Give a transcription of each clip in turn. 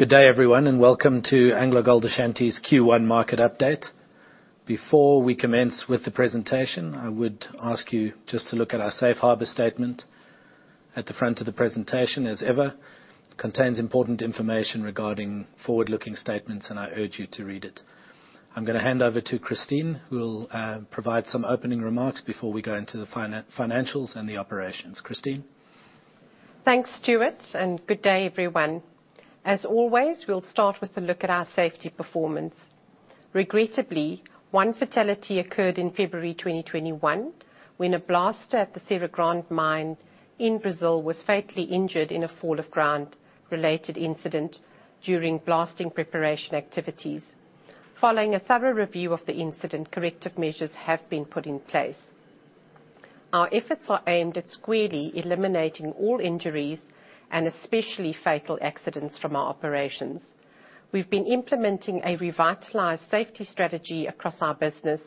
Good day, everyone, and welcome to AngloGold Ashanti's Q1 market update. Before we commence with the presentation, I would ask you just to look at our safe harbor statement at the front of the presentation, as ever, contains important information regarding forward-looking statements, and I urge you to read it. I'm going to hand over to Christine, who will provide some opening remarks before we go into the financials and the operations. Christine? Thanks, Stewart. Good day, everyone. As always, we'll start with a look at our safety performance. Regrettably, one fatality occurred in February 2021, when a blaster at the Serra Grande mine in Brazil was fatally injured in a fall of ground-related incident during blasting preparation activities. Following a thorough review of the incident, corrective measures have been put in place. Our efforts are aimed at squarely eliminating all injuries, and especially fatal accidents from our operations. We've been implementing a revitalized safety strategy across our business,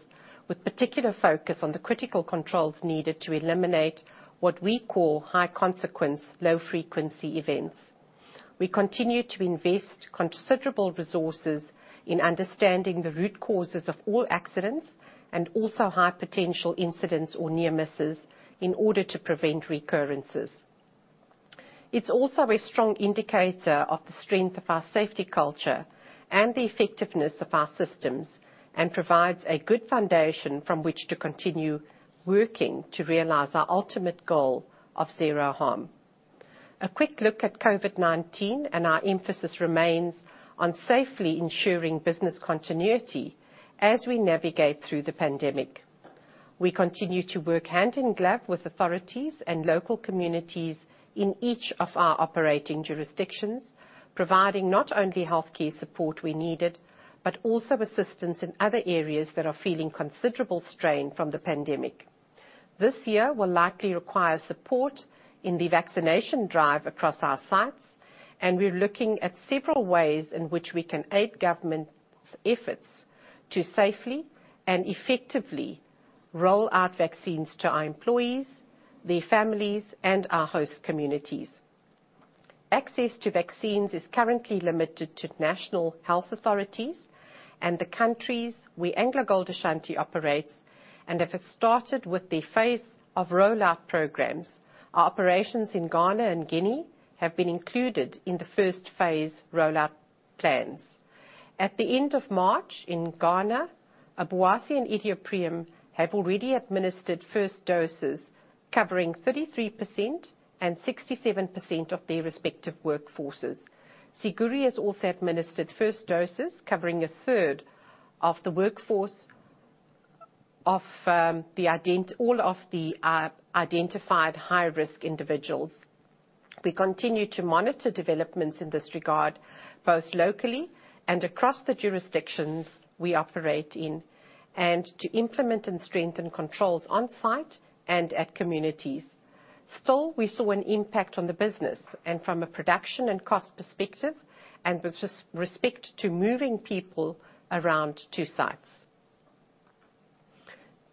with particular focus on the critical controls needed to eliminate what we call high-consequence, low-frequency events. We continue to invest considerable resources in understanding the root causes of all accidents, and also high potential incidents or near misses in order to prevent recurrences. It's also a strong indicator of the strength of our safety culture and the effectiveness of our systems, provides a good foundation from which to continue working to realize our ultimate goal of zero harm. A quick look at COVID-19, our emphasis remains on safely ensuring business continuity as we navigate through the pandemic. We continue to work hand in glove with authorities and local communities in each of our operating jurisdictions, providing not only healthcare support where needed, but also assistance in other areas that are feeling considerable strain from the pandemic. This year will likely require support in the vaccination drive across our sites, we're looking at several ways in which we can aid government's efforts to safely and effectively roll out vaccines to our employees, their families, and our host communities. Access to vaccines is currently limited to national health authorities and the countries where AngloGold Ashanti operates, and have started with the phase of rollout programs. Our operations in Ghana and Guinea have been included in the first phase rollout plans. At the end of March in Ghana, Obuasi and Iduapriem have already administered first doses, covering 33% and 67% of their respective workforces. Siguiri has also administered first doses, covering a third of the workforce, all of the identified high-risk individuals. We continue to monitor developments in this regard, both locally and across the jurisdictions we operate in, and to implement and strengthen controls on-site and at communities. We saw an impact on the business, and from a production and cost perspective, and with respect to moving people around two sites.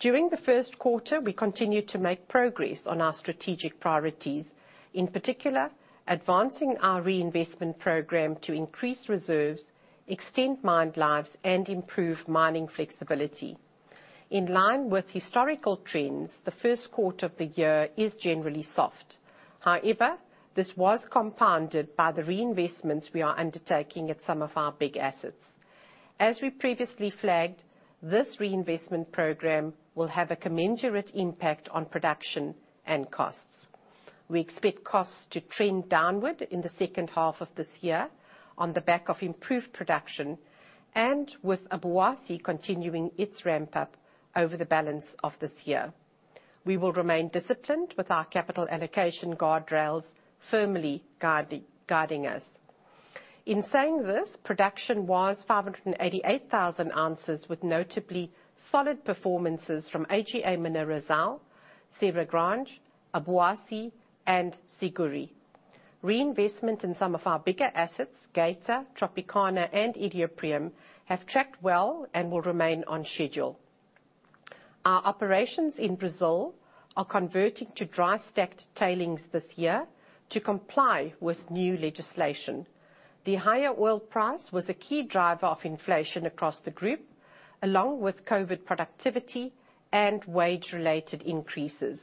During Q1, we continued to make progress on our strategic priorities, in particular, advancing our reinvestment program to increase reserves, extend mine lives, and improve mining flexibility. In line with historical trends, Q1 of the year is generally soft. However, this was compounded by the reinvestments we are undertaking at some of our big assets. As we previously flagged, this reinvestment program will have a commensurate impact on production and costs. We expect costs to trend downward in the H2 of this year on the back of improved production, and with Obuasi continuing its ramp up over the balance of this year. We will remain disciplined with our capital allocation guardrails firmly guiding us. In saying this, production was 588,000 ounces, with notably solid performances from AGA Mineração, Serra Grande, Obuasi, and Siguiri. Reinvestment in some of our bigger assets, Geita, Tropicana, and Iduapriem, have tracked well and will remain on schedule. Our operations in Brazil are converting to dry stacked tailings this year to comply with new legislation. The higher oil price was a key driver of inflation across the group, along with COVID-19 productivity and wage-related increases.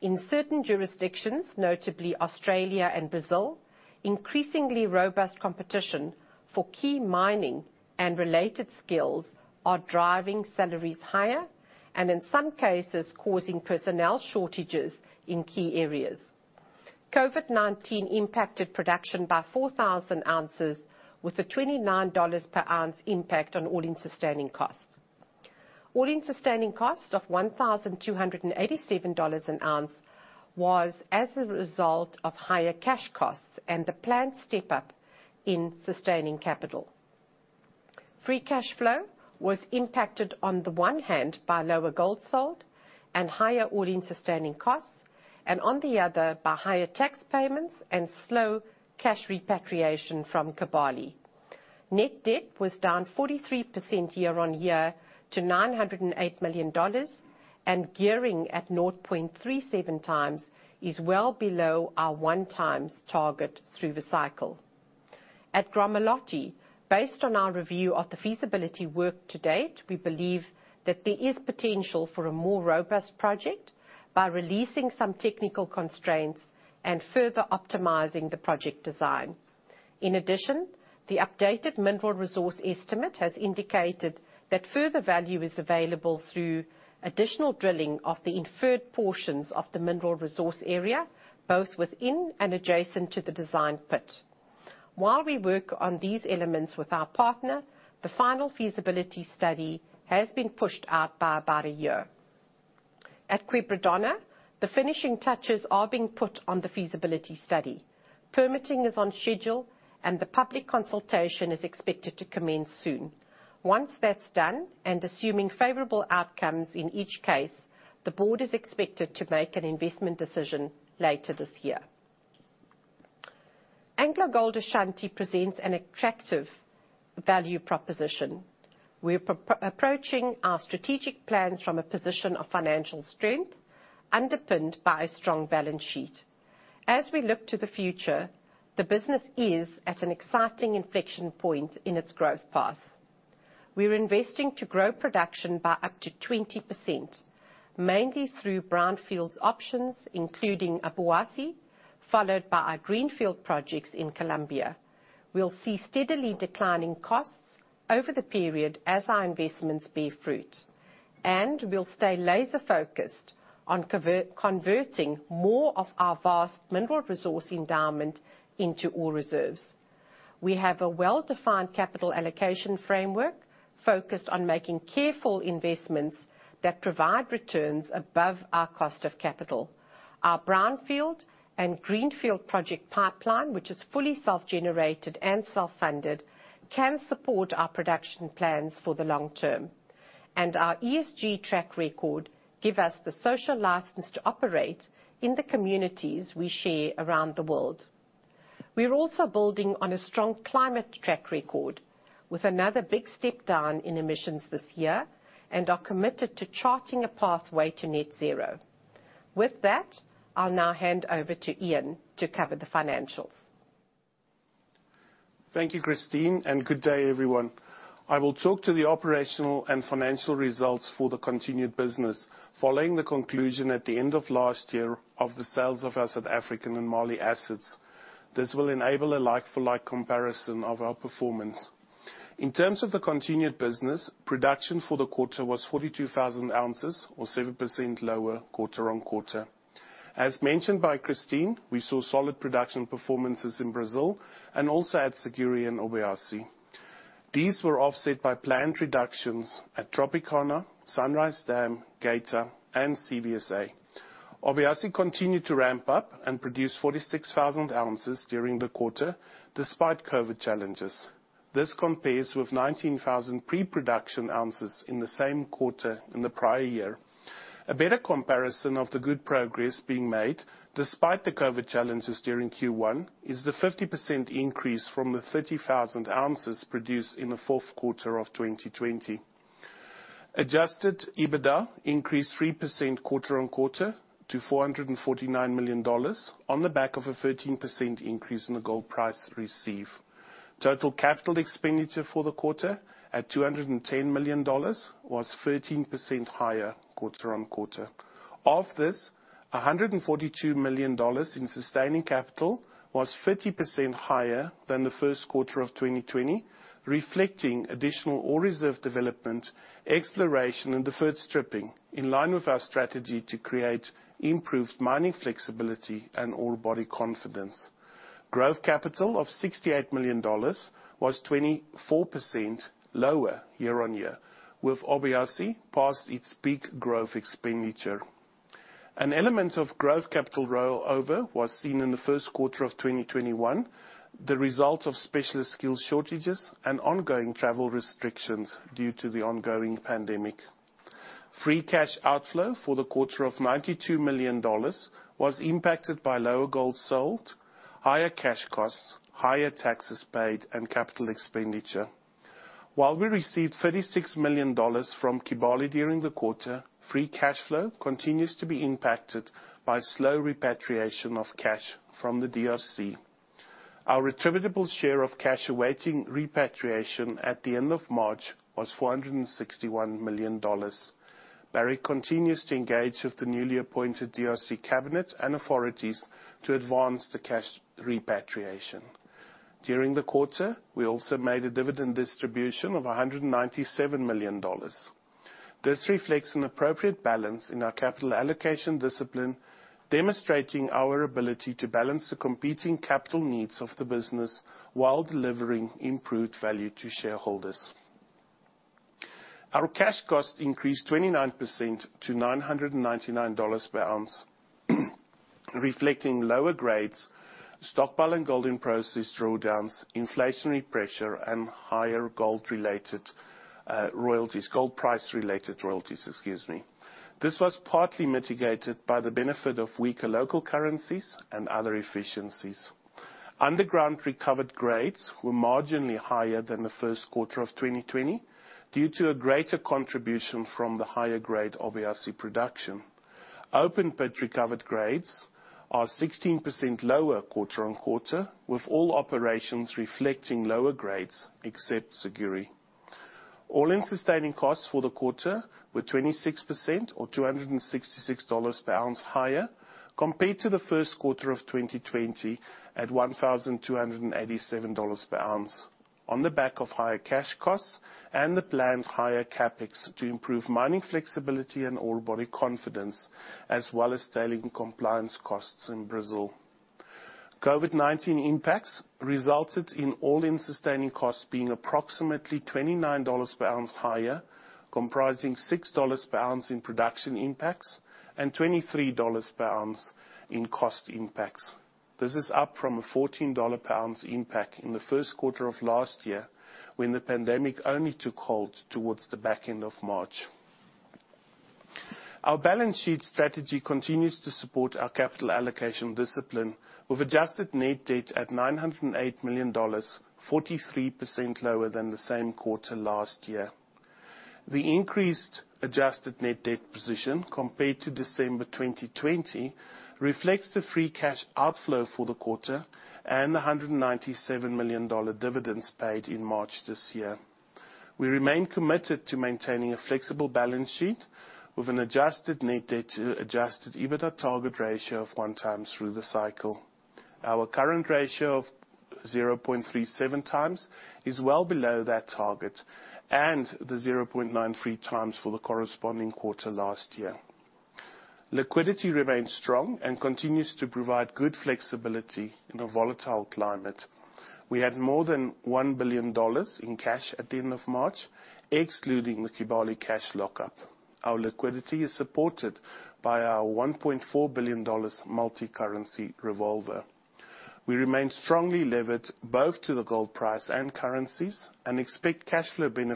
In certain jurisdictions, notably Australia and Brazil, increasingly robust competition for key mining and related skills are driving salaries higher, and in some cases, causing personnel shortages in key areas. COVID-19 impacted production by 4,000 ounces with a $29 per ounce impact on all-in sustaining costs. All-in sustaining cost of $1,287 an ounce was as a result of higher cash costs and the planned step-up in sustaining capital. Free cash flow was impacted on the one hand by lower gold sold and higher all-in sustaining costs, and on the other, by higher tax payments and slow cash repatriation from Kibali. Net debt was down 43% year-on-year to $908 million, and gearing at 0.37x is well below our 1x target through the cycle. At Gramalote, based on our review of the feasibility work to date, we believe that there is potential for a more robust project by releasing some technical constraints and further optimizing the project design. In addition, the updated mineral resource estimate has indicated that further value is available through additional drilling of the inferred portions of the mineral resource area, both within and adjacent to the design pit. While we work on these elements with our partner, the final feasibility study has been pushed out by about a year. At Quebradona, the finishing touches are being put on the feasibility study. Permitting is on schedule. The public consultation is expected to commence soon. Once that's done, assuming favorable outcomes in each case, the board is expected to make an investment decision later this year. AngloGold Ashanti presents an attractive value proposition. We're approaching our strategic plans from a position of financial strength, underpinned by a strong balance sheet. As we look to the future, the business is at an exciting inflection point in its growth path. We're investing to grow production by up to 20%, mainly through brownfields options, including Obuasi, followed by our greenfield projects in Colombia. We'll see steadily declining costs over the period as our investments bear fruit. We'll stay laser-focused on converting more of our vast mineral resource endowment into ore reserves. We have a well-defined capital allocation framework focused on making careful investments that provide returns above our cost of capital. Our brownfield and greenfield project pipeline, which is fully self-generated and self-funded, can support our production plans for the long term, and our ESG track record give us the social license to operate in the communities we share around the world. We're also building on a strong climate track record with another big step down in emissions this year and are committed to charting a pathway to net zero. With that, I'll now hand over to Ian to cover the financials. Thank you, Christine, and good day, everyone. I will talk to the operational and financial results for the continued business following the conclusion at the end of last year of the sales of our South African and Mali assets. This will enable a like-for-like comparison of our performance. In terms of the continued business, production for the quarter was 42,000 ounces, or 7% lower quarter-on-quarter. As mentioned by Christine, we saw solid production performances in Brazil and also at Siguiri and Obuasi. These were offset by planned reductions at Tropicana, Sunrise Dam, Geita, and CVSA. Obuasi continued to ramp up and produce 46,000 ounces during the quarter, despite COVID challenges. This compares with 19,000 pre-production ounces in the same quarter in the prior year. A better comparison of the good progress being made despite the COVID challenges during Q1 is the 50% increase from the 30,000 ounces produced in the Q4 of 2020. Adjusted EBITDA increased 3% quarter-on-quarter to $449 million on the back of a 13% increase in the gold price received. Total capital expenditure for the quarter at $210 million was 13% higher quarter-on-quarter. Of this, $142 million in sustaining capital was 30% higher than Q1 of 2020, reflecting additional ore reserve development, exploration, and deferred stripping, in line with our strategy to create improved mining flexibility and ore body confidence. Growth capital of $68 million was 24% lower year-on-year, with Obuasi past its peak growth expenditure. An element of growth capital rollover was seen in Q1 of 2021, the result of specialist skill shortages and ongoing travel restrictions due to the ongoing pandemic. Free cash outflow for the quarter of $92 million was impacted by lower gold sold, higher cash costs, higher taxes paid, and capital expenditure. While we received $36 million from Kibali during the quarter, free cash flow continues to be impacted by slow repatriation of cash from the D.R.C. Our attributable share of cash awaiting repatriation at the end of March was $461 million. Barrick continues to engage with the newly appointed D.R.C. cabinet and authorities to advance the cash repatriation. During the quarter, we also made a dividend distribution of $197 million. This reflects an appropriate balance in our capital allocation discipline, demonstrating our ability to balance the competing capital needs of the business while delivering improved value to shareholders. Our cash cost increased 29% to $999 per ounce, reflecting lower grades, stockpile and gold in process drawdowns, inflationary pressure, and higher gold-price related royalties. This was partly mitigated by the benefit of weaker local currencies and other efficiencies. Underground recovered grades were marginally higher than Q1 of 2020, due to a greater contribution from the higher grade Obuasi production. Open pit recovered grades are 16% lower quarter on quarter, with all operations reflecting lower grades except Siguiri. All-in sustaining costs for the quarter were 26% or $266 per ounce higher compared to Q1 of 2020, at $1,287 per ounce, on the back of higher cash costs and the planned higher CapEx to improve mining flexibility and ore body confidence, as well as tailing compliance costs in Brazil. COVID-19 impacts resulted in all-in sustaining costs being approximately $29 per ounce higher, comprising $6 per ounce in production impacts and $23 per ounce in cost impacts. This is up from a $14 per ounce impact in Q1 of last year when the pandemic only took hold towards the back end of March. Our balance sheet strategy continues to support our capital allocation discipline, with adjusted net debt at $908 million, 43% lower than the same quarter last year. The increased adjusted net debt position compared to December 2020 reflects the free cash outflow for the quarter and the $197 million dividends paid in March this year. We remain committed to maintaining a flexible balance sheet with an adjusted net debt to Adjusted EBITDA target ratio of one times through the cycle. Our current ratio of 0.37x is well below that target, and the 0.93x for the corresponding quarter last year. Liquidity remains strong and continues to provide good flexibility in a volatile climate. We had more than $1 billion in cash at the end of March, excluding the Kibali cash lockup. Our liquidity is supported by our $1.4 billion multicurrency revolver. We remain strongly levered both to the gold price and currencies, and expect free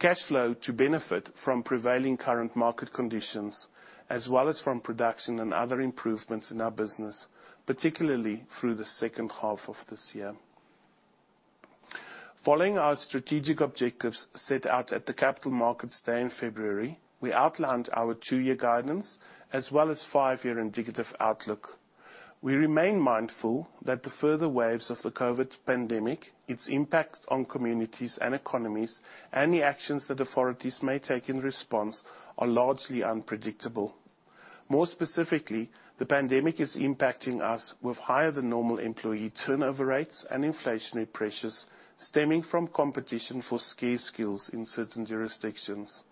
cash flow to benefit from prevailing current market conditions as well as from production and other improvements in our business, particularly through the H2 of this year. Following our strategic objectives set out at the Capital Markets Day in February, we outlined our two-year guidance as well as five-year indicative outlook. We remain mindful that the further waves of the COVID pandemic, its impact on communities and economies, and the actions that authorities may take in response, are largely unpredictable. More specifically, the pandemic is impacting us with higher than normal employee turnover rates and inflationary pressures stemming from competition for scarce skills in certain jurisdictions.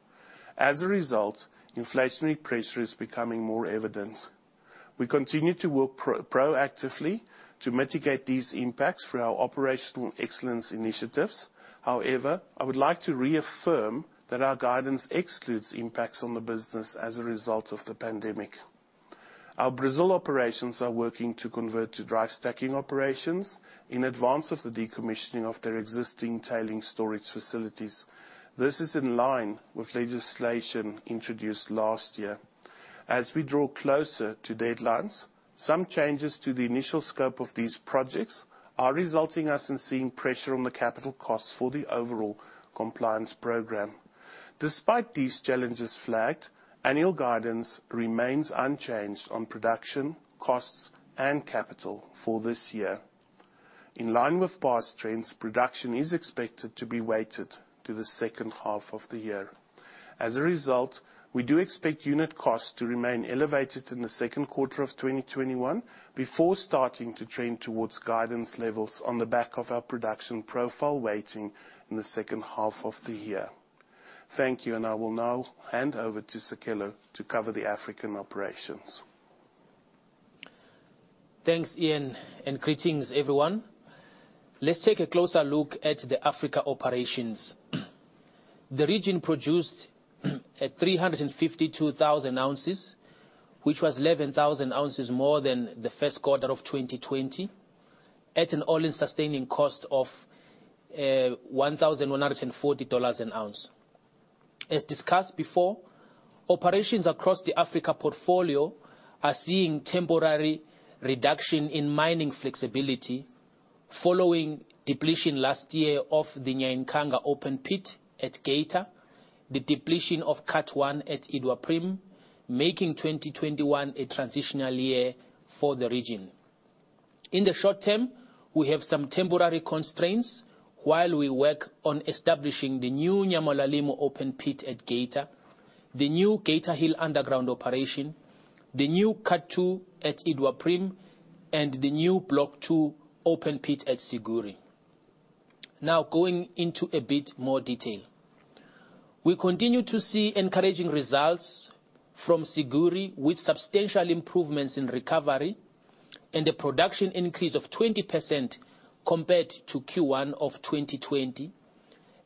As a result, inflationary pressure is becoming more evident. We continue to work proactively to mitigate these impacts through our operational excellence initiatives. However, I would like to reaffirm that our guidance excludes impacts on the business as a result of the pandemic. Our Brazil operations are working to convert to dry stacking operations in advance of the decommissioning of their existing tailings storage facilities. This is in line with legislation introduced last year. As we draw closer to deadlines, some changes to the initial scope of these projects are resulting us in seeing pressure on the capital costs for the overall compliance program. Despite these challenges flagged, annual guidance remains unchanged on production, costs, and capital for this year. In line with past trends, production is expected to be weighted to the H2 of the year. As a result, we do expect unit costs to remain elevated in the second quarter of 2021, before starting to trend towards guidance levels on the back of our production profile weighting in the H2 of the year. Thank you, I will now hand over to Sicelo to cover the African operations. Thanks, Ian, and greetings everyone. Let's take a closer look at the Africa operations. The region produced at 352,000 ounces, which was 11,000 ounces more than Q1 of 2020, at an all-in sustaining cost of $1,140 an ounce. As discussed before, operations across the Africa portfolio are seeing temporary reduction in mining flexibility following depletion last year of the Nyankanga open pit at Geita, the depletion of Cut 1 at Iduapriem, making 2021 a transitional year for the region. In the short term, we have some temporary constraints while we work on establishing the new Nyamulilima open pit at Geita, the new Geita Hill underground operation, the new Cut 2 at Iduapriem, and the new Block 2 open pit at Siguiri. Going into a bit more detail. We continue to see encouraging results from Siguiri, with substantial improvements in recovery and a production increase of 20% compared to Q1 2020,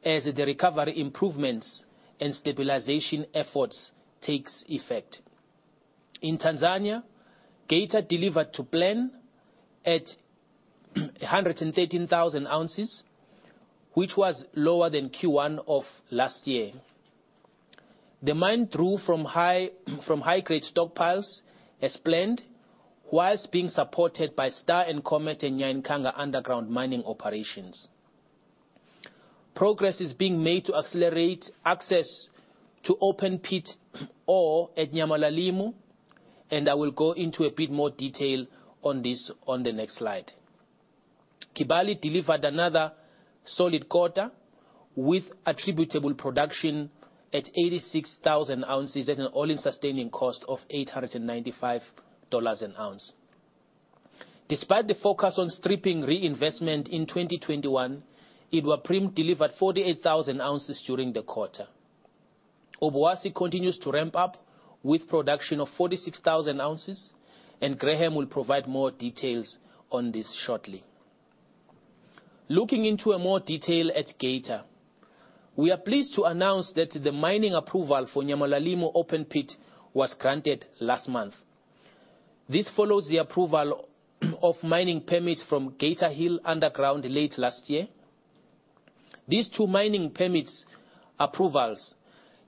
as the recovery improvements and stabilization efforts takes effect. In Tanzania, Geita delivered to plan at 113,000 ounces, which was lower than Q1 last year. The mine drew from high-grade stockpiles as planned, while being supported by Star and Comet and Nyankanga underground mining operations. Progress is being made to accelerate access to open pit ore at Nyamulilima, I will go into a bit more detail on this on the next slide. Kibali delivered another solid quarter, with attributable production at 86,000 ounces at an all-in sustaining cost of $895 an ounce. Despite the focus on stripping reinvestment in 2021, Iduapriem delivered 48,000 ounces during the quarter. Obuasi continues to ramp up with production of 46,000 ounces. Graham will provide more details on this shortly. Looking into a more detail at Geita. We are pleased to announce that the mining approval for Nyamulilima open pit was granted last month. This follows the approval of mining permits from Geita Hill underground late last year. These two mining permits approvals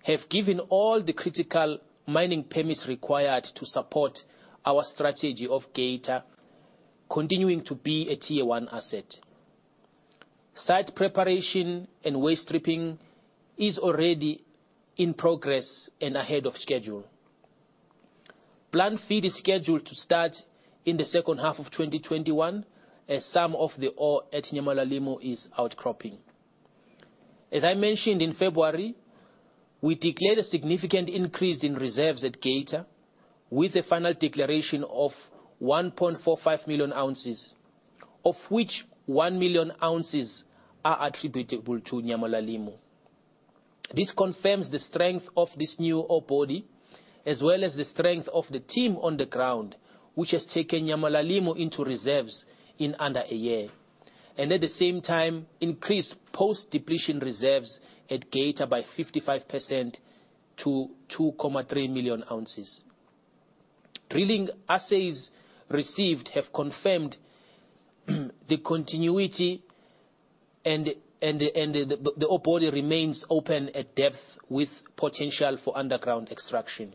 have given all the critical mining permits required to support our strategy of Geita continuing to be a tier 1 asset. Site preparation and waste stripping is already in progress and ahead of schedule. Plant feed is scheduled to start in the H2 of 2021, as some of the ore at Nyamulilima is outcropping. As I mentioned, in February, we declared a significant increase in reserves at Geita with a final declaration of 1.45 million ounces, of which one million ounces are attributable to Nyamulilima. This confirms the strength of this new ore body, as well as the strength of the team on the ground, which has taken Nyamulilima into reserves in under a year. At the same time, increased post-depletion reserves at Geita by 55% to 2.3 million ounces. Drilling assays received have confirmed the continuity and the ore body remains open at depth with potential for underground extraction.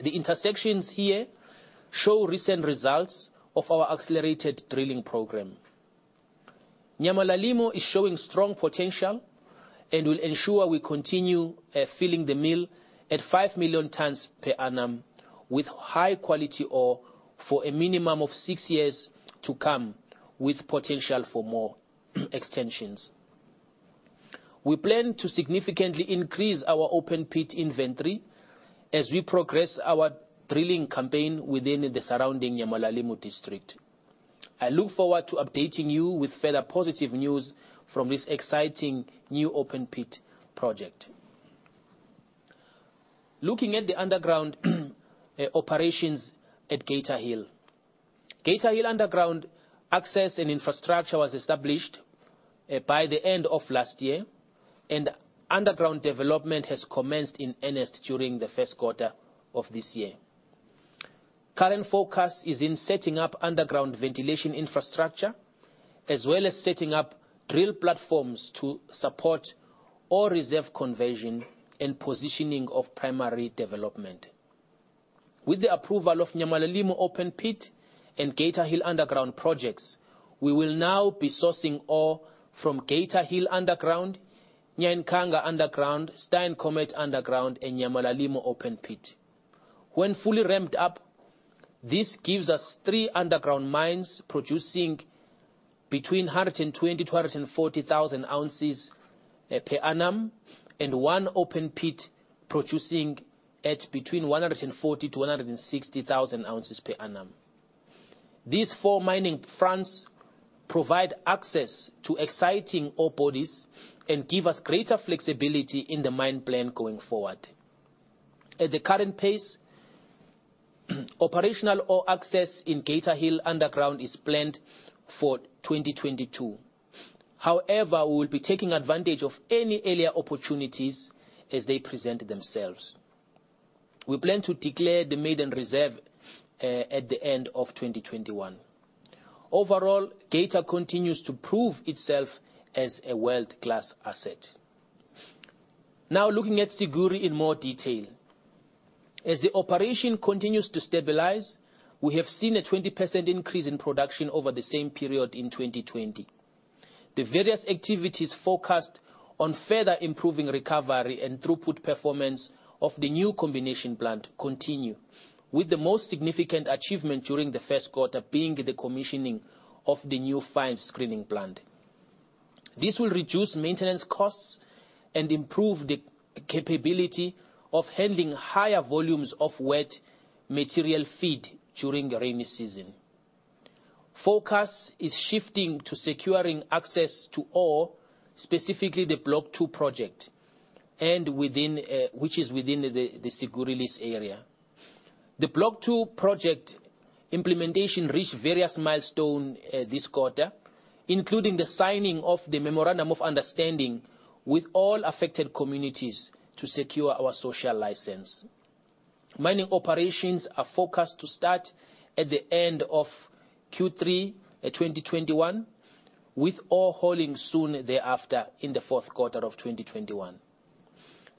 The intersections here show recent results of our accelerated drilling program. Nyamulilima is showing strong potential and will ensure we continue filling the mill at 5 million tons per annum with high quality ore for a minimum of six years to come, with potential for more extensions. We plan to significantly increase our open pit inventory as we progress our drilling campaign within the surrounding Nyamulilima district. I look forward to updating you with further positive news from this exciting new open pit project. Looking at the underground operations at Geita Hill. Geita Hill underground access and infrastructure was established by the end of last year, and underground development has commenced in earnest during Q1 of this year. Current focus is in setting up underground ventilation infrastructure, as well as setting up drill platforms to support ore reserve conversion and positioning of primary development. With the approval of Nyamulilima open pit and Geita Hill underground projects, we will now be sourcing ore from Geita Hill underground, Nyankanga underground, Star and Comet underground, and Nyamulilima open pit. When fully ramped up, this gives us three underground mines producing between 120,000-140,000 ounces per annum, and one open pit producing at between 140,000-160,000 ounces per annum. These four mining fronts provide access to exciting ore bodies and give us greater flexibility in the mine plan going forward. At the current pace, operational ore access in Geita Hill underground is planned for 2022. We will be taking advantage of any earlier opportunities as they present themselves. We plan to declare the maiden reserve at the end of 2021. Overall, Geita continues to prove itself as a world-class asset. Looking at Siguiri in more detail. As the operation continues to stabilize, we have seen a 20% increase in production over the same period in 2020. The various activities focused on further improving recovery and throughput performance of the new combination plant continue, with the most significant achievement during Q1 being the commissioning of the new fines screening plant. This will reduce maintenance costs and improve the capability of handling higher volumes of wet material feed during the rainy season. Focus is shifting to securing access to ore, specifically the Block 2 project, which is within the Siguiri lease area. The Block 2 project implementation reached various milestones this quarter, including the signing of the memorandum of understanding with all affected communities to secure our social license. Mining operations are forecast to start at the end of Q3 2021, with ore hauling soon thereafter in the Q4 of 2021.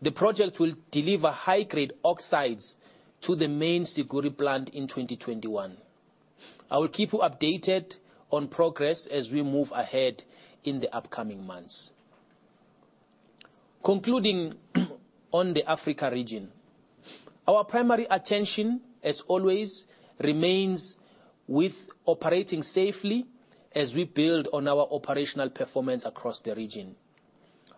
The project will deliver high-grade oxides to the main Siguiri plant in 2021. I will keep you updated on progress as we move ahead in the upcoming months. Concluding on the Africa region. Our primary attention, as always, remains with operating safely as we build on our operational performance across the region.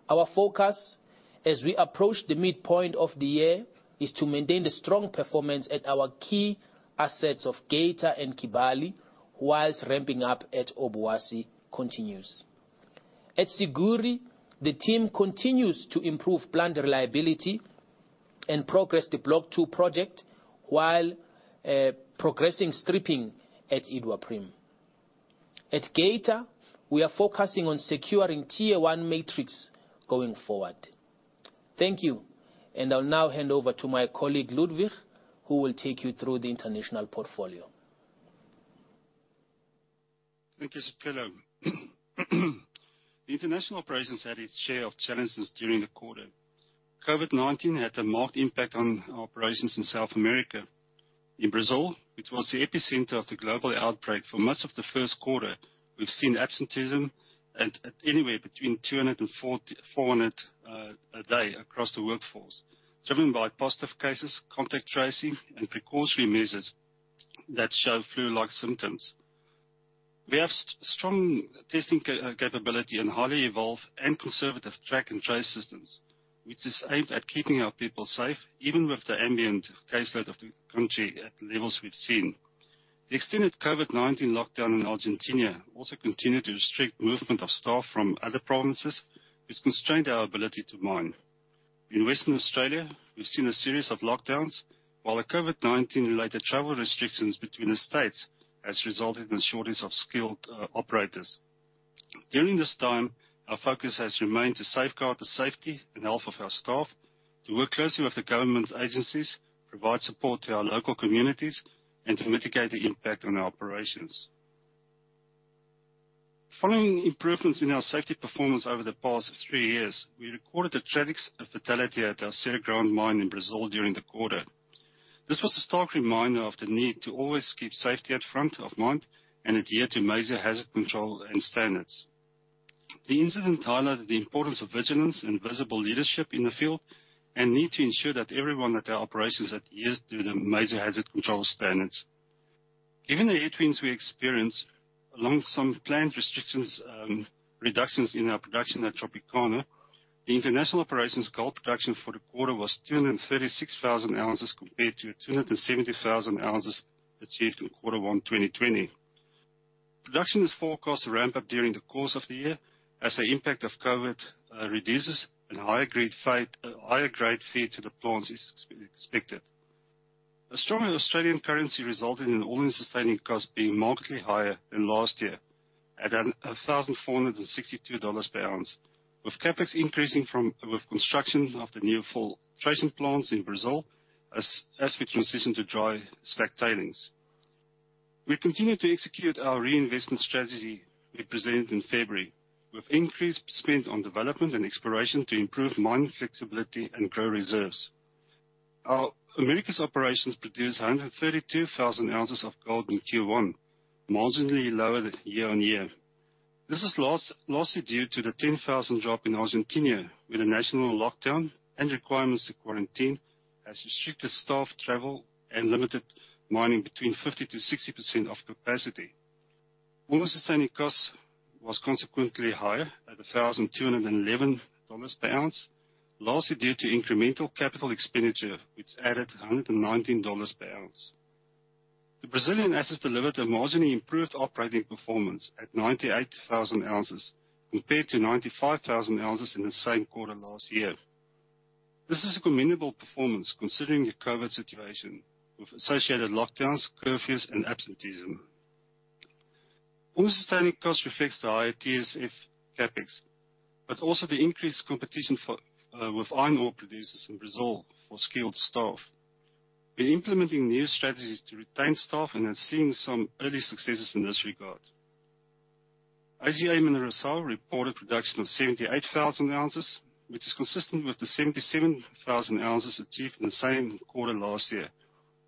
Our focus, as we approach the midpoint of the year, is to maintain the strong performance at our key assets of Geita and Kibali whilst ramping up at Obuasi continues. At Siguiri, the team continues to improve plant reliability and progress the Block 2 project while progressing stripping at Iduapriem. At Geita, we are focusing on securing tier 1 metrics going forward. Thank you. I'll now hand over to my colleague, Ludwig, who will take you through the international portfolio. Thank you, Sicelo. The international operations had its share of challenges during the quarter. COVID-19 had a marked impact on our operations in South America. In Brazil, which was the epicenter of the global outbreak for much of Q1, we've seen absenteeism at anywhere between 200 and 400 a day across the workforce, driven by positive cases, contact tracing, and precautionary measures that show flu-like symptoms. We have strong testing capability and highly evolved and conservative track and trace systems, which is aimed at keeping our people safe even with the ambient caseload of the country at levels we've seen. The extended COVID-19 lockdown in Argentina also continued to restrict movement of staff from other provinces, which constrained our ability to mine. In Western Australia, we've seen a series of lockdowns while the COVID-19-related travel restrictions between the states has resulted in a shortage of skilled operators. During this time, our focus has remained to safeguard the safety and health of our staff, to work closely with the government agencies, provide support to our local communities, and to mitigate the impact on our operations. Following improvements in our safety performance over the past three years, we recorded a tragic fatality at our Serra Grande mine in Brazil during the quarter. This was a stark reminder of the need to always keep safety at front of mind and adhere to major hazard control and standards. The incident highlighted the importance of vigilance and visible leadership in the field and need to ensure that everyone at our operations adheres to the major hazard control standards. Given the headwinds we experienced, along some planned restrictions, reductions in our production at Tropicana, the international operations gold production for the quarter was 236,000 ounces compared to 270,000 ounces achieved in Q1 2020. Production is forecast to ramp up during the course of the year as the impact of COVID reduces and higher grade feed to the plants is expected. A stronger Australian currency resulted in all-in sustaining costs being markedly higher than last year at $1,462 per ounce, with CapEx increasing with construction of the new filtration plants in Brazil as we transition to dry stack tailings. We continue to execute our reinvestment strategy we presented in February, with increased spend on development and exploration to improve mine flexibility and grow reserves. Our Americas operations produced 132,000 ounces of gold in Q1, marginally lower than year-over-year. This is largely due to the 10,000 drop in Argentina, where the national lockdown and requirements to quarantine has restricted staff travel and limited mining between 50% to 60% of capacity. All-in sustaining costs was consequently higher at $1,211 per ounce, largely due to incremental CapEx, which added $119 per ounce. The Brazilian assets delivered a marginally improved operating performance at 98,000 ounces compared to 95,000 ounces in the same quarter last year. This is a commendable performance considering the COVID situation with associated lockdowns, curfews, and absenteeism. All-in sustaining cost reflects the higher TSF CapEx, but also the increased competition with iron ore producers in Brazil for skilled staff. We're implementing new strategies to retain staff and are seeing some early successes in this regard. AGA Mineração reported production of 78,000 ounces, which is consistent with the 77,000 ounces achieved in the same quarter last year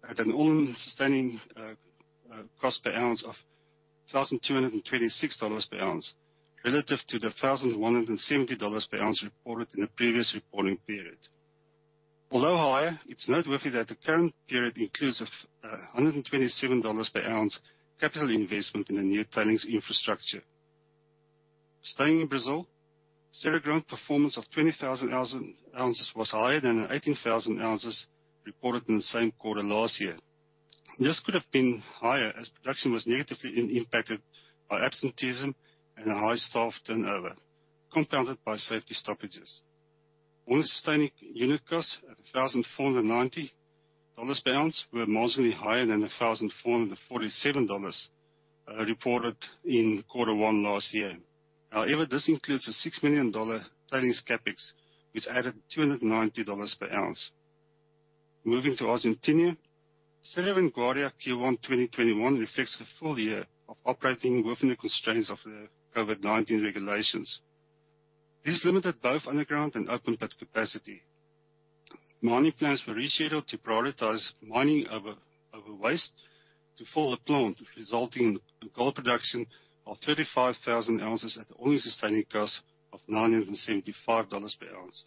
at an all-in sustaining cost per ounce of $1,226 per ounce relative to the $1,170 per ounce reported in the previous reporting period. Although higher, it's noteworthy that the current period includes a $127 per ounce capital investment in the new tailings infrastructure. Staying in Brazil, Serra Grande performance of 20,000 ounces was higher than the 18,000 ounces reported in the same quarter last year. This could have been higher as production was negatively impacted by absenteeism and a high staff turnover, compounded by safety stoppages. All-in sustaining unit costs at $1,490 per ounce were marginally higher than $1,447 reported in quarter one last year. However, this includes a $6 million planning CapEx, which added $290 per ounce. Moving to Argentina, Cerro Vanguardia Q1 2021 reflects the full year of operating within the constraints of the COVID-19 regulations. This limited both underground and open pit capacity. Mining plans were rescheduled to prioritize mining over waste to fill the plant, resulting in gold production of 35,000 ounces at the all-in sustaining cost of $975 per ounce.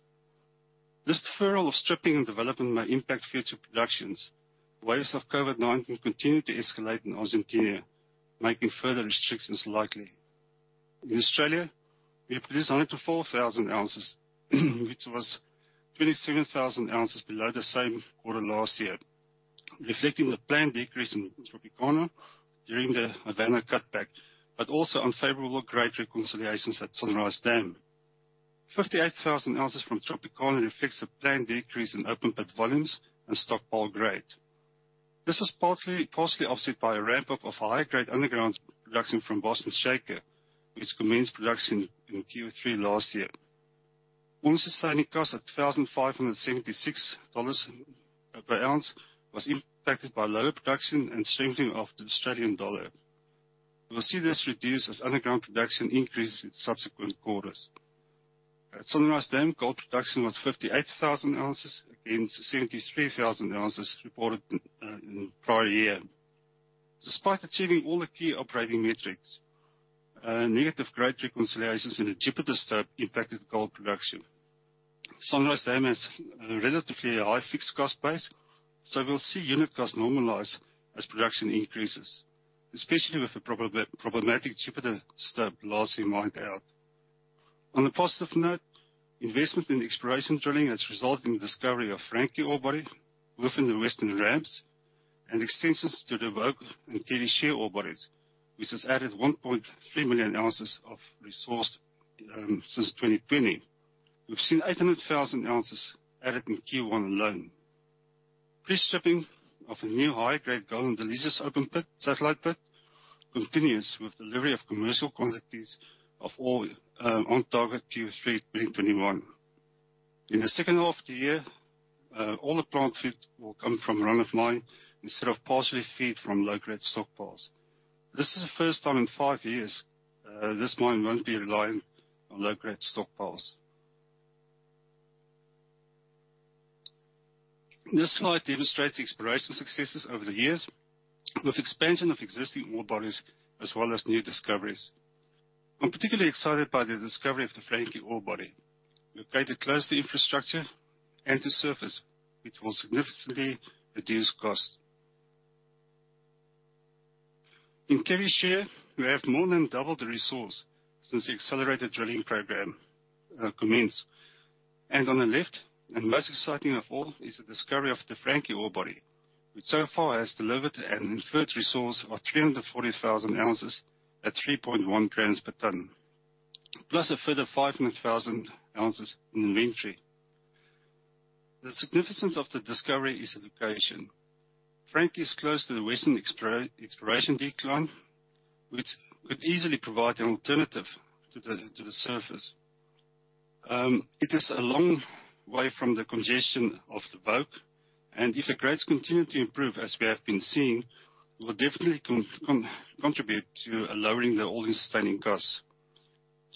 This deferral of stripping and development may impact future productions. Waves of COVID-19 continue to escalate in Argentina, making further restrictions likely. In Australia, we produced 104,000 ounces, which was 27,000 ounces below the same quarter last year, reflecting the planned decrease in Tropicana during the Havana cutback, but also unfavorable grade reconciliations at Sunrise Dam. 58,000 ounces from Tropicana reflects the planned decrease in open pit volumes and stockpile grade. This was partially offset by a ramp-up of high-grade underground production from Boston Shaker, which commenced production in Q3 last year. All-in sustaining cost at $1,576 per ounce was impacted by lower production and strengthening of the Australian dollar. We'll see this reduce as underground production increases in subsequent quarters. At Sunrise Dam, gold production was 58,000 ounces against 73,000 ounces reported in the prior year. Despite achieving all the key operating metrics, negative grade reconciliations in the Jupiter stope impacted gold production. Sunrise Dam has a relatively high fixed cost base, we'll see unit cost normalize as production increases, especially with the problematic Jupiter stope lastly mined out. On a positive note, investment in exploration drilling has resulted in the discovery of Frankie ore body within the western ramps and extensions to the Vogue and Carey Shear ore bodies, which has added 1.3 million ounces of resource since 2020. We've seen 800,000 ounces added in Q1 alone. Pre-stripping of the new high-grade Golden Delicious open pit, satellite pit, continues with delivery of commercial quantities of ore on target Q3 2021. In the H2 of the year, all the plant feed will come from run of mine instead of partially feed from low-grade stockpiles. This is the first time in five years, this mine won't be reliant on low-grade stockpiles. This slide demonstrates exploration successes over the years with expansion of existing ore bodies as well as new discoveries. I'm particularly excited by the discovery of the Frankie ore body, located close to infrastructure and to surface, which will significantly reduce cost. In Carey Shear, we have more than doubled the resource since the accelerated drilling program commenced. On the left, and most exciting of all, is the discovery of the Frankie ore body, which so far has delivered an inferred resource of 340,000 ounces at 3.1 g per ton, plus a further 500,000 ounces in inventory. The significance of the discovery is the location. Frankie is close to the western exploration decline, which could easily provide an alternative to the surface. It is a long way from the congestion of the Vogue, and if the grades continue to improve as we have been seeing, will definitely contribute to lowering the all-in sustaining cost.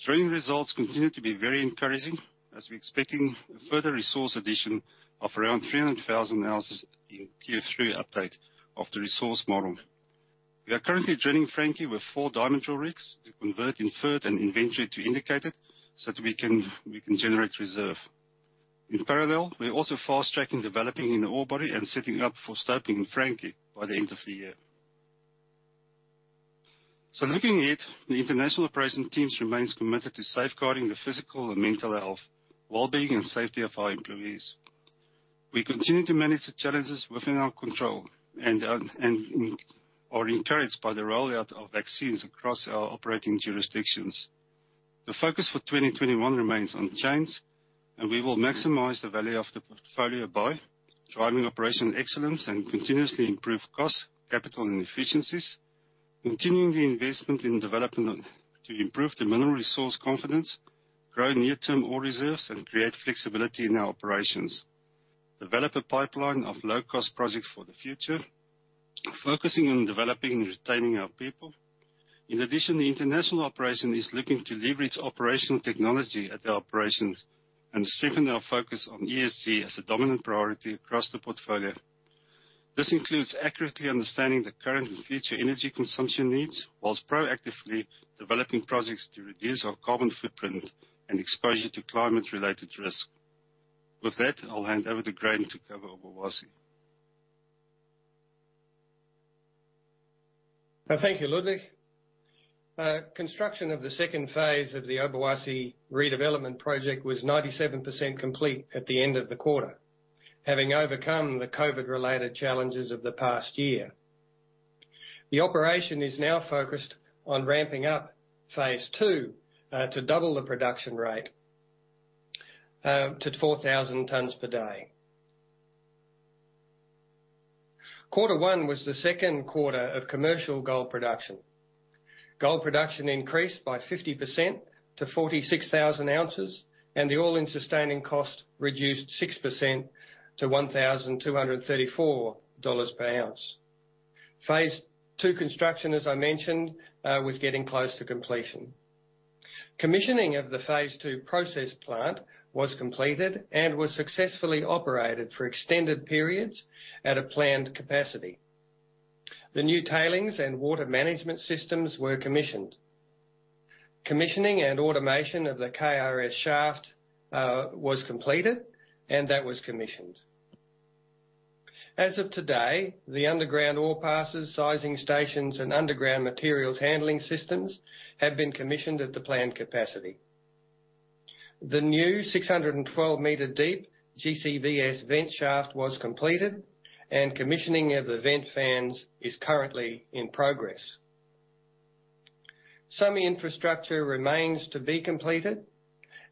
Drilling results continue to be very encouraging as we're expecting further resource addition of around 300,000 ounces in Q3 update of the resource model. We are currently drilling Frankie with four diamond drill rigs to convert inferred and inventory to indicated, so that we can generate reserve. In parallel, we're also fast-tracking developing in the ore body and setting up for stoping in Frankie by the end of the year. Looking ahead, the international operation teams remains committed to safeguarding the physical and mental health, wellbeing, and safety of our employees. We continue to manage the challenges within our control and are encouraged by the rollout of vaccines across our operating jurisdictions. The focus for 2021 remains on change, and we will maximize the value of the portfolio by driving operation excellence and continuously improve cost, capital, and efficiencies. Continuing the investment in development to improve the mineral resource confidence, grow near-term ore reserves, and create flexibility in our operations. Develop a pipeline of low-cost projects for the future. Focusing on developing and retaining our people. In addition, the international operation is looking to leverage operational technology at the operations and strengthen our focus on ESG as a dominant priority across the portfolio. This includes accurately understanding the current and future energy consumption needs, whilst proactively developing projects to reduce our carbon footprint and exposure to climate-related risk. With that, I'll hand over to Graham to cover Obuasi. Thank you, Ludwig. Construction of the second phase of the Obuasi redevelopment project was 97% complete at the end of the quarter, having overcome the COVID-related challenges of the past year. The operation is now focused on ramping up Phase 2 to double the production rate to 4,000 tons per day. Q1 was the second quarter of commercial gold production. Gold production increased by 50% to 46,000 ounces, and the all-in sustaining cost reduced 6% to $1,234 per ounce. Phase 2 construction, as I mentioned, was getting close to completion. Commissioning of the Phase 2 process plant was completed and was successfully operated for extended periods at a planned capacity. The new tailings and water management systems were commissioned. Commissioning and automation of the KRS shaft was completed and that was commissioned. As of today, the underground ore passes, sizing stations, and underground materials handling systems have been commissioned at the planned capacity. The new 612m deep GCVS vent shaft was completed, and commissioning of the vent fans is currently in progress. Some infrastructure remains to be completed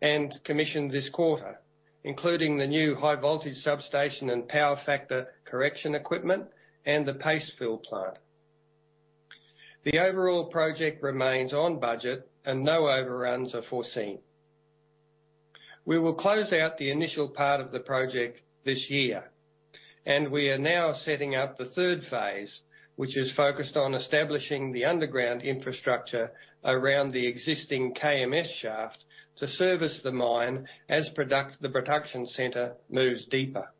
and commissioned this quarter, including the new high voltage substation and power factor correction equipment and the paste fill plant. The overall project remains on budget and no overruns are foreseen. We will close out the initial part of the project this year, and we are now setting up the third phase, which is focused on establishing the underground infrastructure around the existing KMS shaft to service the mine as the production center moves deeper.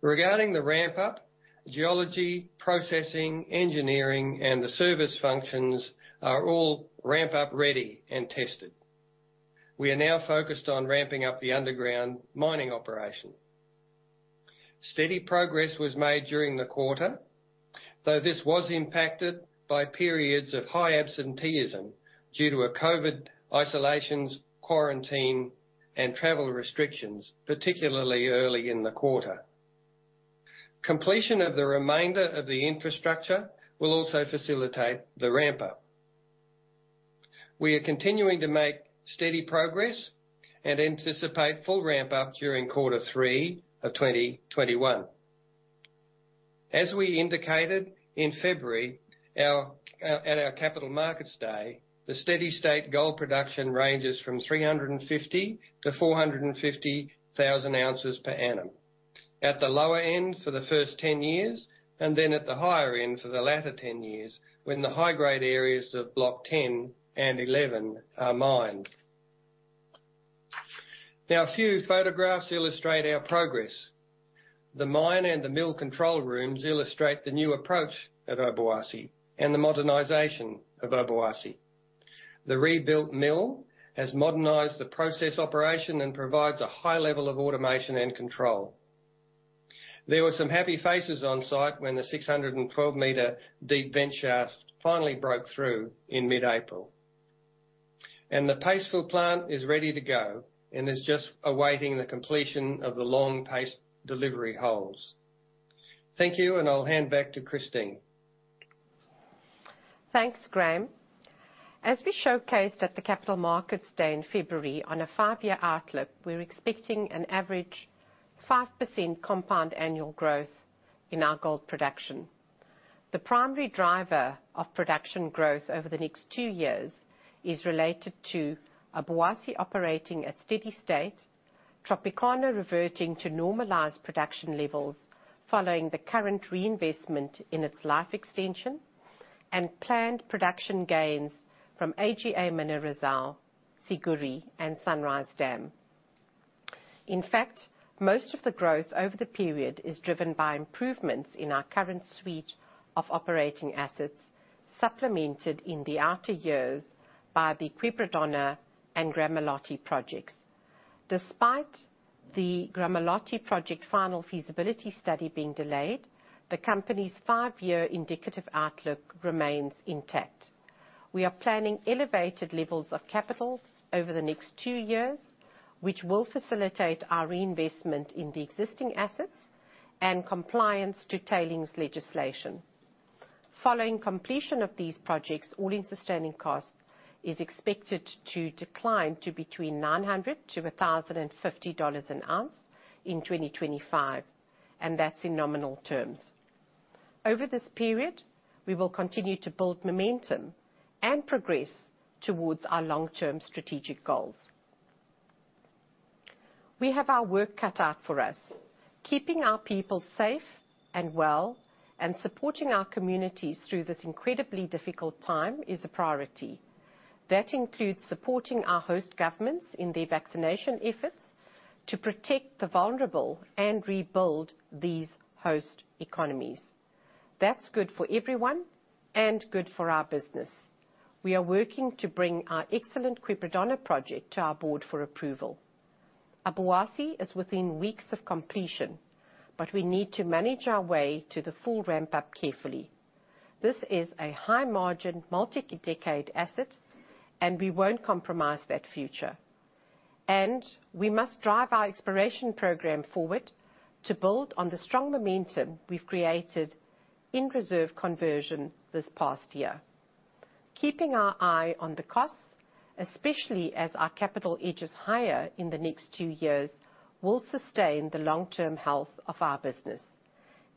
Regarding the ramp up, geology, processing, engineering, and the service functions are all ramp-up ready and tested. We are now focused on ramping up the underground mining operation. Steady progress was made during the quarter, though this was impacted by periods of high absenteeism due to COVID isolations, quarantine, and travel restrictions, particularly early in the quarter. Completion of the remainder of the infrastructure will also facilitate the ramp up. We are continuing to make steady progress and anticipate full ramp up during Q3 of 2021. As we indicated in February at our Capital Markets Day, the steady state gold production ranges from 350 to 450,000 ounces per annum. At the lower end for the first 10 years, and then at the higher end for the latter 10 years, when the high-grade areas of block 10 and 11 are mined. Now a few photographs illustrate our progress. The mine and the mill control rooms illustrate the new approach at Obuasi and the modernization of Obuasi. The rebuilt mill has modernized the process operation and provides a high level of automation and control. There were some happy faces on site when the 612m deep vent shaft finally broke through in mid-April. The paste fill plant is ready to go and is just awaiting the completion of the long paste delivery holes. Thank you, and I'll hand back to Christine. Thanks, Graham. As we showcased at the Capital Markets Day in February, on a five-year outlook, we're expecting an average 5% compound annual growth in our gold production. The primary driver of production growth over the next two years is related to Obuasi operating at steady state, Tropicana reverting to normalized production levels following the current reinvestment in its life extension, and planned production gains from AGA Mineração, Siguiri, and Sunrise Dam. In fact, most of the growth over the period is driven by improvements in our current suite of operating assets, supplemented in the outer years by the Quebradona and Gramalote projects. Despite the Gramalote project final feasibility study being delayed, the company's five-year indicative outlook remains intact. We are planning elevated levels of capital over the next two years, which will facilitate our reinvestment in the existing assets and compliance to tailings legislation. Following completion of these projects, all-in sustaining cost is expected to decline to between $900-$1,050 an ounce in 2025. That's in nominal terms. Over this period, we will continue to build momentum and progress towards our long-term strategic goals. We have our work cut out for us. Keeping our people safe and well, and supporting our communities through this incredibly difficult time is a priority. That includes supporting our host governments in their vaccination efforts to protect the vulnerable and rebuild these host economies. That's good for everyone and good for our business. We are working to bring our excellent Quebradona project to our board for approval. Obuasi is within weeks of completion. We need to manage our way to the full ramp-up carefully. This is a high-margin, multi-decade asset. We won't compromise that future. We must drive our exploration program forward to build on the strong momentum we've created in reserve conversion this past year. Keeping our eye on the costs, especially as our capital edges higher in the next two years, will sustain the long-term health of our business.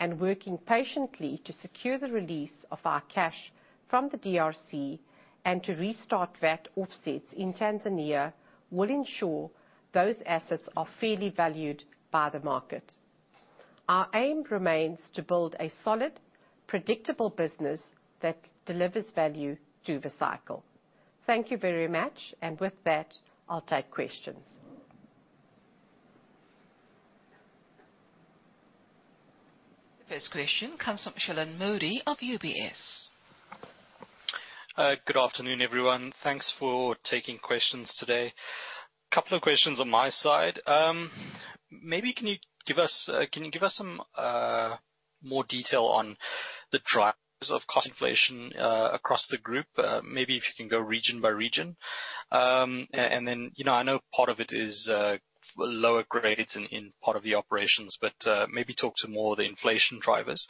Working patiently to secure the release of our cash from the DRC and to restart VAT offsets in Tanzania will ensure those assets are fairly valued by the market. Our aim remains to build a solid, predictable business that delivers value through the cycle. Thank you very much, and with that, I'll take questions. First question comes from Shilan Modi of HSBC. Good afternoon, everyone. Thanks for taking questions today. Couple of questions on my side. Maybe, can you give us more detail on the drivers of cost inflation across the group? Maybe if you can go region by region. I know part of it is lower grades in part of the operations, but maybe talk to more of the inflation drivers.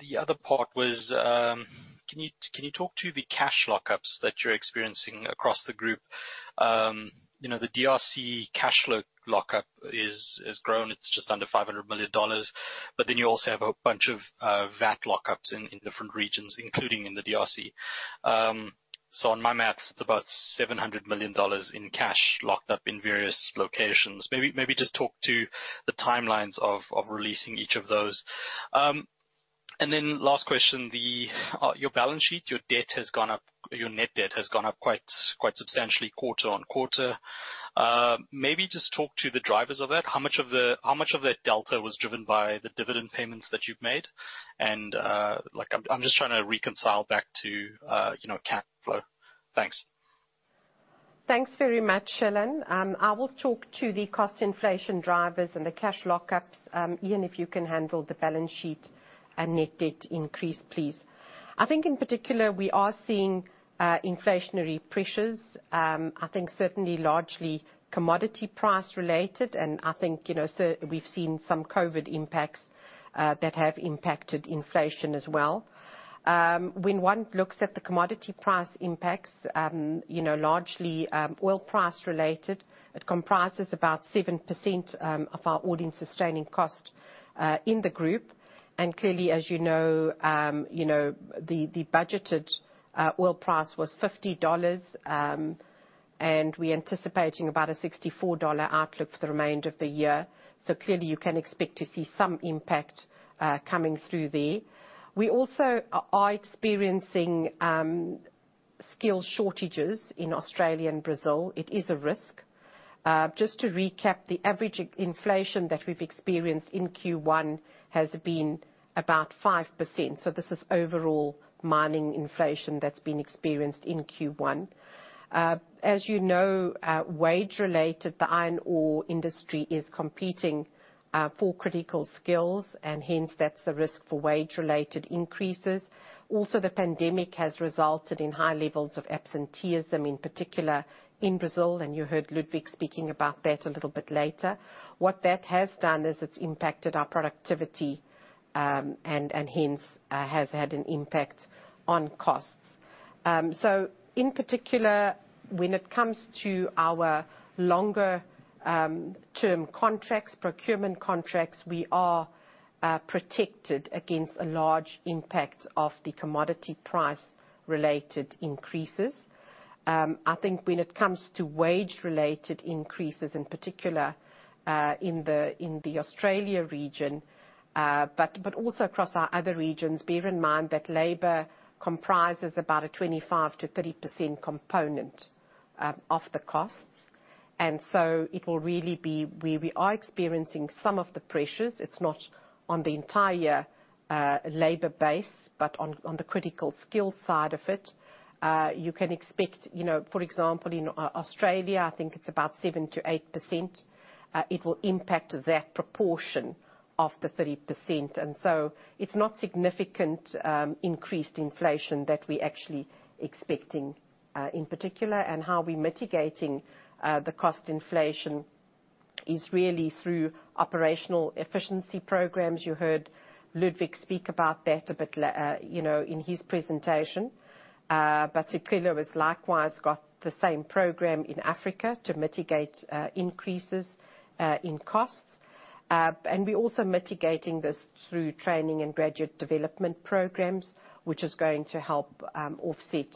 The other part was, can you talk to the cash lockups that you're experiencing across the group? The DRC cash flow lockup has grown. It's just under $500 million. You also have a bunch of VAT lockups in different regions, including in the DRC. On my maths, it's about $700 million in cash locked up in various locations. Maybe just talk to the timelines of releasing each of those. Last question, your balance sheet, your net debt has gone up quite substantially quarter on quarter. Maybe just talk to the drivers of that. How much of that delta was driven by the dividend payments that you've made? I'm just trying to reconcile back to cash flow. Thanks. Thanks very much, Shilan. I will talk to the cost inflation drivers and the cash lockups. Ian, if you can handle the balance sheet and net debt increase, please. I think in particular, we are seeing inflationary pressures. I think certainly largely commodity price related, I think we've seen some COVID impacts that have impacted inflation as well. When one looks at the commodity price impacts, largely oil price related, it comprises about 7% of our all-in sustaining cost in the group. Clearly, as you know, the budgeted oil price was $50, and we're anticipating about a $64 outlook for the remainder of the year. Clearly, you can expect to see some impact coming through there. We also are experiencing skill shortages in Australia and Brazil. It is a risk. Just to recap, the average inflation that we've experienced in Q1 has been about 5%. This is overall mining inflation that's been experienced in Q1. As you know, wage related, the iron ore industry is competing for critical skills, hence, that's the risk for wage related increases. The pandemic has resulted in high levels of absenteeism, in particular in Brazil, you heard Ludwig speaking about that a little bit later. What that has done is it's impacted our productivity, hence, has had an impact on costs. In particular, when it comes to our longer term contracts, procurement contracts, we are protected against a large impact of the commodity price related increases. I think when it comes to wage related increases, in particular in the Australia region, also across our other regions, bear in mind that labor comprises about a 25%-30% component of the costs. It will really be where we are experiencing some of the pressures. It's not on the entire labor base, but on the critical skills side of it. You can expect, for example, in Australia, I think it's about 7%-8%. It will impact that proportion of the 30%. It's not significant increased inflation that we're actually expecting in particular. How we're mitigating the cost inflation is really through operational efficiency programs. You heard Ludwig speak about that in his presentation. Sicelo has likewise got the same program in Africa to mitigate increases in costs. We're also mitigating this through training and graduate development programs, which is going to help offset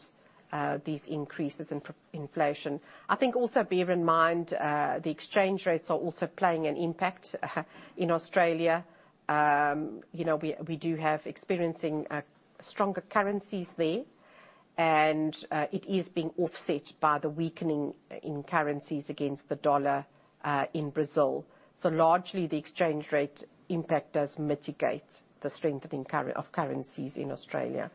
these increases in inflation. I think also bear in mind, the exchange rates are also playing an impact in Australia. We do have experiencing stronger currencies there. It is being offset by the weakening in currencies against the dollar in Brazil. Largely, the exchange rate impact does mitigate the strengthening of currencies in Australia.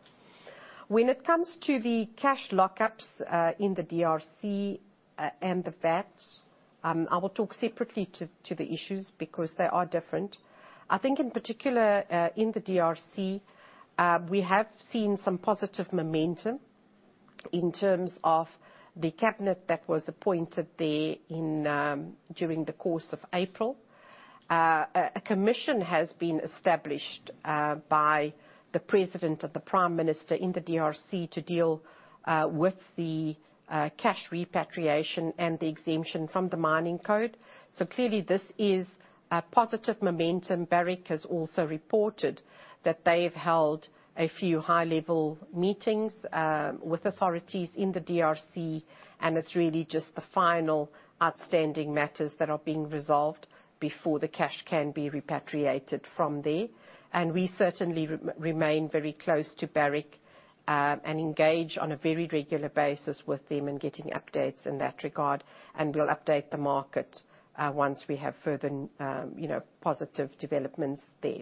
When it comes to the cash lockups in the DRC and the VAT, I will talk separately to the issues because they are different. I think in particular, in the DRC, we have seen some positive momentum. In terms of the cabinet that was appointed there during the course of April, a commission has been established by the president and the prime minister in the DRC to deal with the cash repatriation and the exemption from the Mining Code. Clearly this is a positive momentum. Barrick has also reported that they've held a few high-level meetings with authorities in the DRC, and it's really just the final outstanding matters that are being resolved before the cash can be repatriated from there. We certainly remain very close to Barrick, and engage on a very regular basis with them in getting updates in that regard. We'll update the market once we have further positive developments there.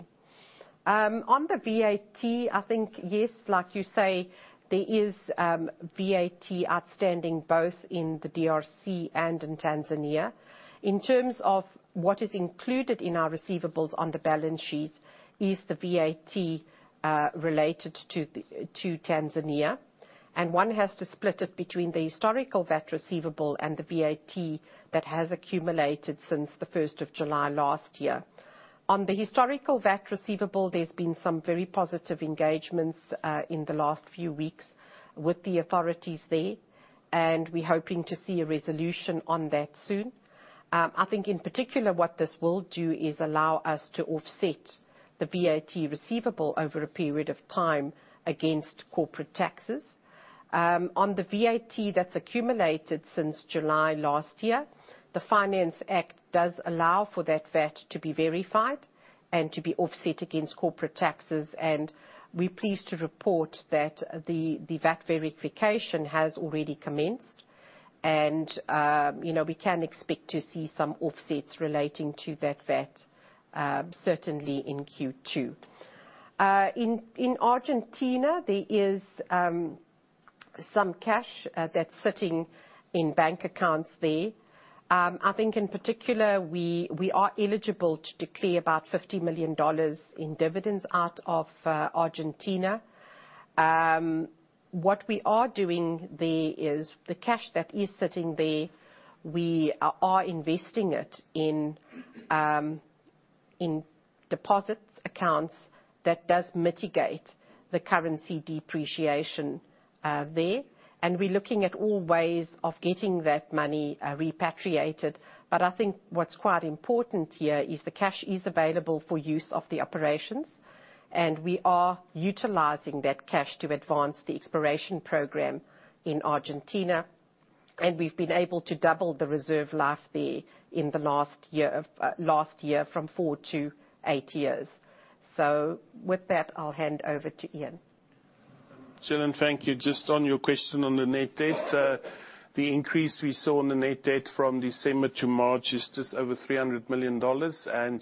On the VAT, I think, yes, like you say, there is VAT outstanding both in the DRC and in Tanzania. In terms of what is included in our receivables on the balance sheet is the VAT related to Tanzania. One has to split it between the historical VAT receivable and the VAT that has accumulated since the 1st of July last year. On the historical VAT receivable, there has been some very positive engagements in the last few weeks with the authorities there, and we are hoping to see a resolution on that soon. I think in particular what this will do is allow us to offset the VAT receivable over a period of time against corporate taxes. On the VAT that has accumulated since July last year, the Finance Act does allow for that VAT to be verified and to be offset against corporate taxes. We are pleased to report that the VAT verification has already commenced. We can expect to see some offsets relating to that VAT certainly in Q2. In Argentina, there is some cash that is sitting in bank accounts there. I think in particular, we are eligible to declare about $50 million in dividends out of Argentina. What we are doing there is the cash that is sitting there, we are investing it in deposits accounts that does mitigate the currency depreciation there. We're looking at all ways of getting that money repatriated. I think what's quite important here is the cash is available for use of the operations, and we are utilizing that cash to advance the exploration program in Argentina. We've been able to double the reserve life there in the last year from four to eight years. With that, I'll hand over to Ian. Shilan, thank you. Just on your question on the net debt, the increase we saw on the net debt from December to March is just over $300 million.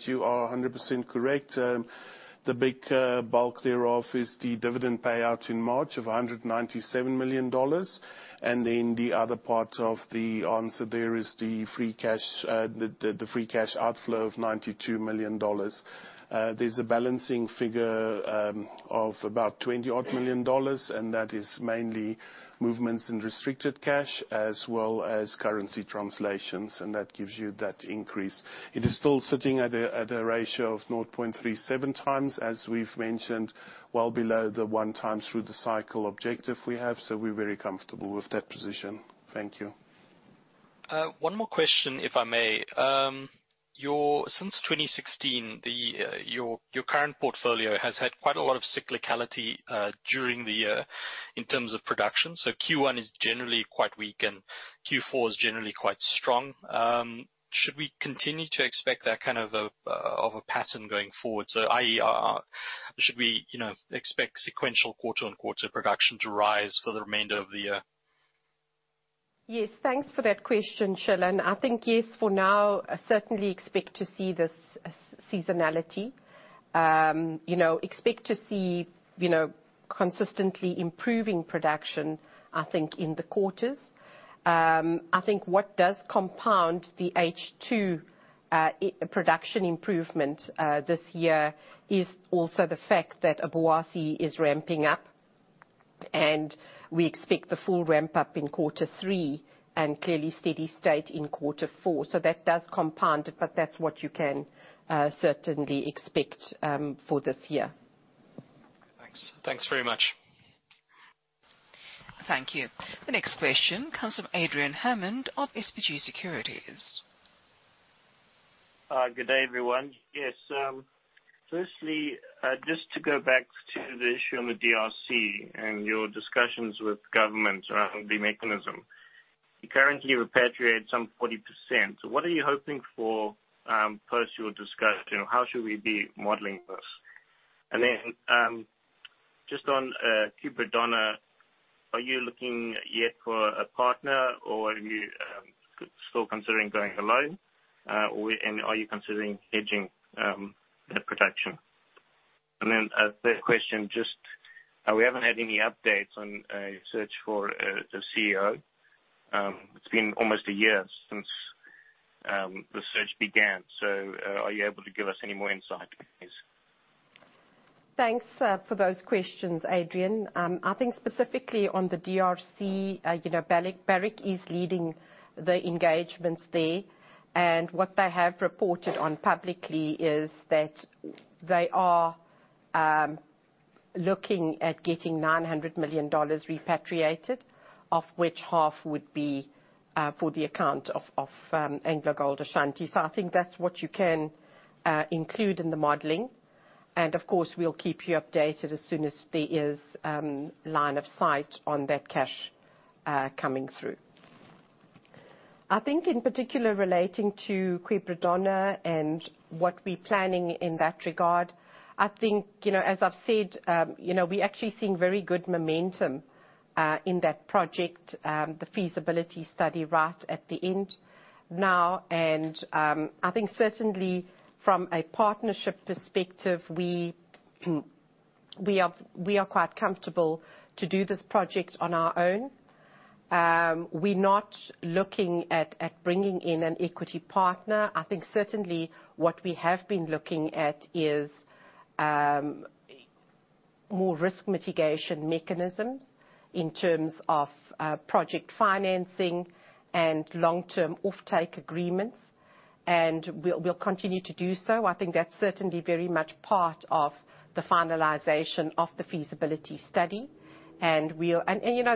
You are 100% correct. The big bulk thereof is the dividend payout in March of $197 million. The other part of the answer there is the free cash outflow of $92 million. There's a balancing figure of about $20 odd million, and that is mainly movements in restricted cash as well as currency translations, and that gives you that increase. It is still sitting at a ratio of 0.37x, as we've mentioned, well below the one time through the cycle objective we have. We're very comfortable with that position. Thank you. One more question, if I may. Since 2016, your current portfolio has had quite a lot of cyclicality during the year in terms of production. Q1 is generally quite weak and Q4 is generally quite strong. Should we continue to expect that kind of a pattern going forward? i.e., should we expect sequential quarter on quarter production to rise for the remainder of the year? Yes. Thanks for that question, Shilan. I think yes, for now, I certainly expect to see this seasonality. Expect to see consistently improving production, I think, in the quarters. I think what does compound the H2 production improvement this year is also the fact that Obuasi is ramping up. We expect the full ramp-up in Q3 and clearly steady state in Q4. That does compound it, but that's what you can certainly expect for this year. Thanks. Thanks very much. Thank you. The next question comes from Adrian Hammond of SBG Securities. Good day, everyone. Yes. Firstly, just to go back to the issue on the DRC and your discussions with government around the mechanism. You currently repatriate some 40%. What are you hoping for post your discussion? How should we be modeling this? Then, just on Quebradona, are you looking yet for a partner or are you still considering going alone? Are you considering hedging that production? Then a third question, just we haven't had any updates on a search for the CEO. It's been almost a year since the search began. Are you able to give us any more insight please? Thanks for those questions, Adrian. Specifically on the DRC, Barrick is leading the engagements there. What they have reported on publicly is that they are looking at getting $900 million repatriated, of which half would be for the account of AngloGold Ashanti. That's what you can include in the modeling. Of course, we'll keep you updated as soon as there is line of sight on that cash coming through. In particular relating to Quebradona and what we're planning in that regard, as I've said, we're actually seeing very good momentum in that project, the feasibility study right at the end now. Certainly from a partnership perspective, we are quite comfortable to do this project on our own. We're not looking at bringing in an equity partner. I think certainly what we have been looking at is more risk mitigation mechanisms in terms of project financing and long-term offtake agreements, and we'll continue to do so. I think that's certainly very much part of the finalization of the feasibility study.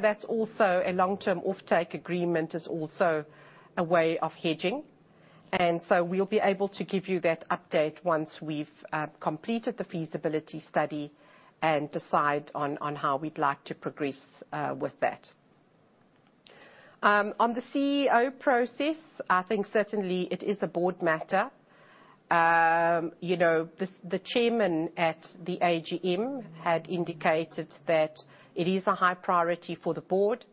That's also a long-term offtake agreement is also a way of hedging. We'll be able to give you that update once we've completed the feasibility study and decide on how we'd like to progress with that. On the CEO process, I think certainly it is a board matter. The chairman at the AGM had indicated that it is a high priority for the board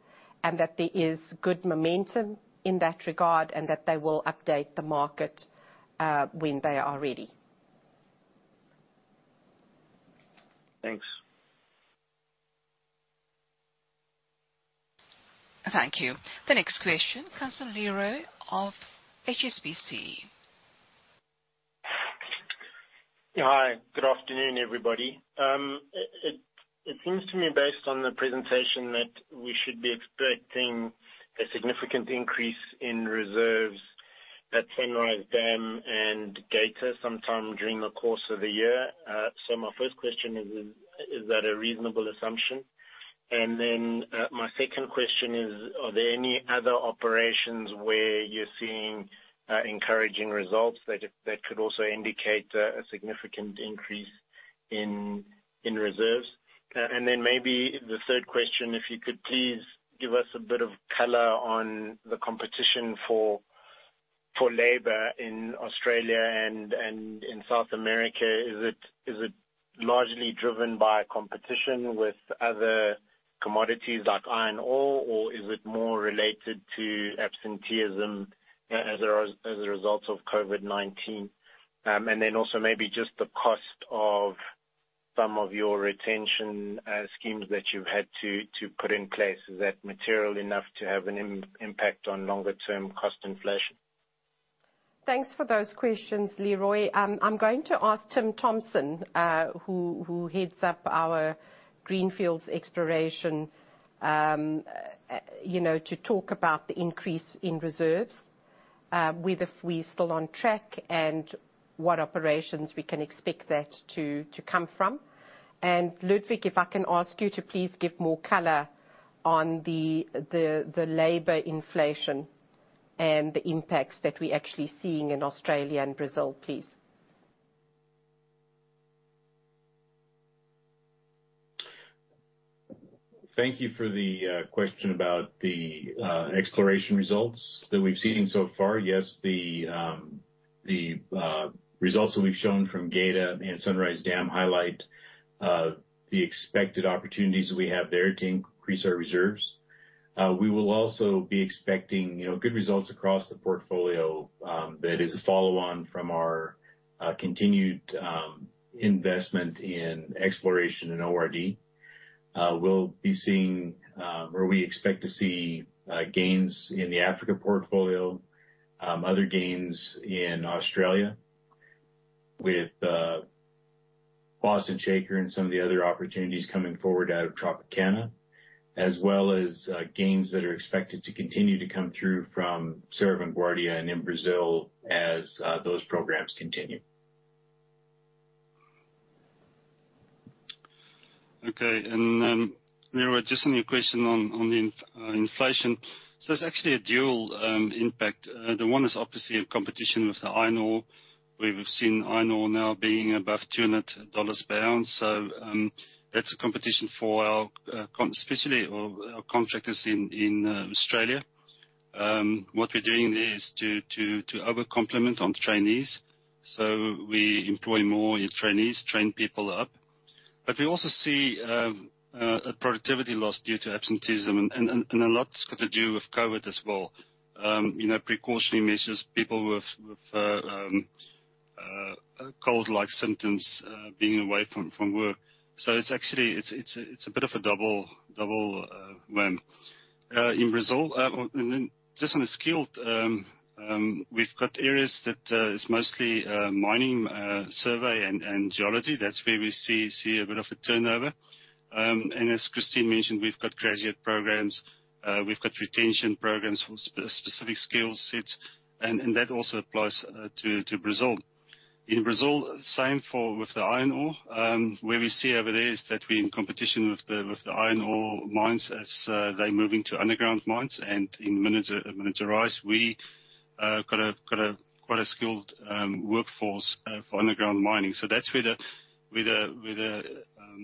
and that there is good momentum in that regard, and that they will update the market, when they are ready. Thanks. Thank you. The next question, Leroy of HSBC. Hi, good afternoon, everybody. It seems to me, based on the presentation, that we should be expecting a significant increase in reserves at Sunrise Dam and Geita sometime during the course of the year. My first question is that a reasonable assumption? My second question is, are there any other operations where you're seeing encouraging results that could also indicate a significant increase in reserves? Maybe the third question, if you could please give us a bit of color on the competition for labor in Australia and in South America. Is it largely driven by competition with other commodities like iron ore, or is it more related to absenteeism as a result of COVID-19? Also maybe just the cost of some of your retention schemes that you've had to put in place. Is that material enough to have an impact on longer term cost inflation? Thanks for those questions, Leroy. I'm going to ask Tim Thompson, who heads up our Greenfields Exploration, to talk about the increase in reserves, whether we still on track, and what operations we can expect that to come from. Ludwig, if I can ask you to please give more color on the labor inflation and the impacts that we're actually seeing in Australia and Brazil, please. Thank you for the question about the exploration results that we've seen so far. Yes, the results that we've shown from Geita and Sunrise Dam highlight the expected opportunities that we have there to increase our reserves. We will also be expecting good results across the portfolio that is a follow-on from our continued investment in exploration in ore reserve development. We'll be seeing or we expect to see gains in the Africa portfolio, other gains in Australia with Boston Shaker and some of the other opportunities coming forward out of Tropicana, as well as gains that are expected to continue to come through from Cerro Vanguardia and in Brazil as those programs continue. Okay. Leroy, just on your question on the inflation. It's actually a dual impact. The one is obviously a competition with the iron ore. We've seen iron ore now being above $200 per ounce. That's a competition for our, especially our contractors in Australia. What we're doing there is to over-complement on trainees. We employ more trainees, train people up. We also see a productivity loss due to absenteeism and a lot's got to do with COVID as well. Precautionary measures, people with cold-like symptoms, being away from work. It's a bit of a double whammy. In Brazil, just on the skilled, we've got areas that is mostly mining, survey, and geology. That's where we see a bit of a turnover. As Christine mentioned, we've got graduate programs, we've got retention programs for specific skill sets, and that also applies to Brazil. In Brazil, same with the iron ore. Where we see over there is that we're in competition with the iron ore mines as they move into underground mines, and in Minas Gerais, we got a quite skilled workforce for underground mining. That's where the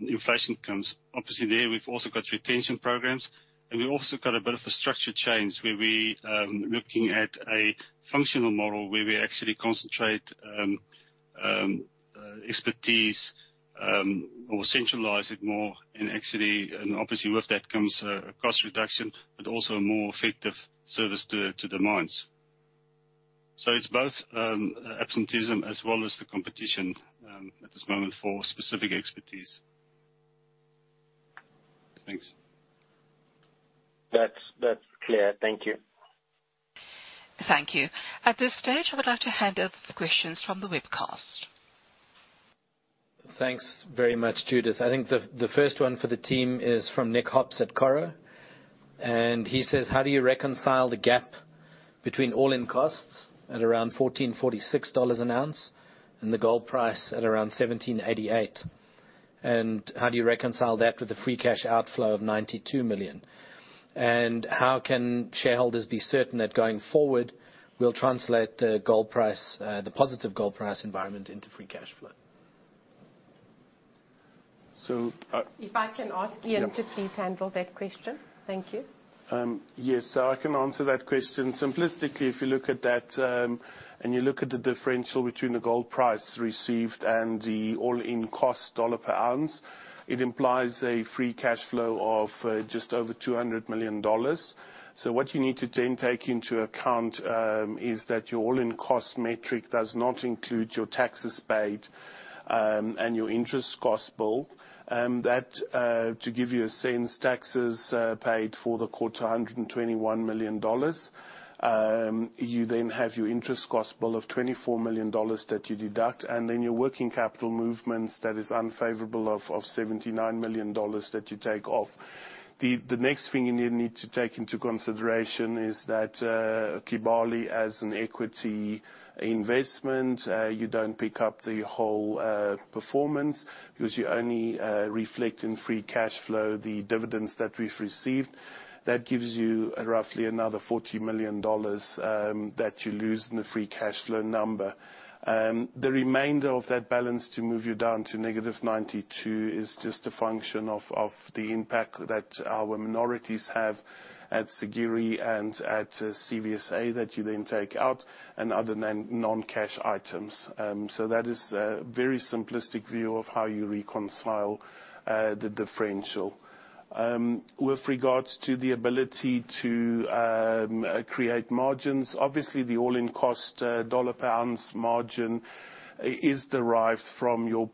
inflation comes. Obviously, there, we've also got retention programs, and we also got a bit of a structure change where we looking at a functional model where we actually concentrate expertise or centralize it more. Obviously, with that comes a cost reduction, but also a more effective service to the mines. It's both absenteeism as well as the competition at this moment for specific expertise. Thanks. That's clear. Thank you. Thank you. At this stage, I would like to hand over the questions from the webcast. Thanks very much, Judith. I think the first one for the team is from Nick Hopps at Coro, he says, "How do you reconcile the gap between all-in costs at around $1,446 an ounce and the gold price at around $1,788? How do you reconcile that with a free cash outflow of $92 million? How can shareholders be certain that going forward, we'll translate the positive gold price environment into free cash flow? If I can ask Ian to please handle that question. Thank you. Yes. I can answer that question. Simplistically, if you look at that, and you look at the differential between the gold price received and the all-in cost dollar per ounce, it implies a free cash flow of just over $200 million. What you need to then take into account, is that your all-in cost metric does not include your taxes paid, and your interest costs bill. To give you a sense, taxes paid for the quarter, $121 million. You then have your interest costs bill of $24 million that you deduct, and then your working capital movements that is unfavorable of $79 million that you take off. The next thing you need to take into consideration is that Kibali as an equity investment, you don't pick up the whole performance because you only reflect in free cash flow the dividends that we've received. That gives you roughly another $40 million that you lose in the free cash flow number. The remainder of that balance to move you down to -$92 is just a function of the impact that our minorities have at Siguiri and at CVSA that you then take out, and other non-cash items. That is a very simplistic view of how you reconcile the differential. With regards to the ability to create margins, obviously, the all-in cost dollar per ounce margin is derived from your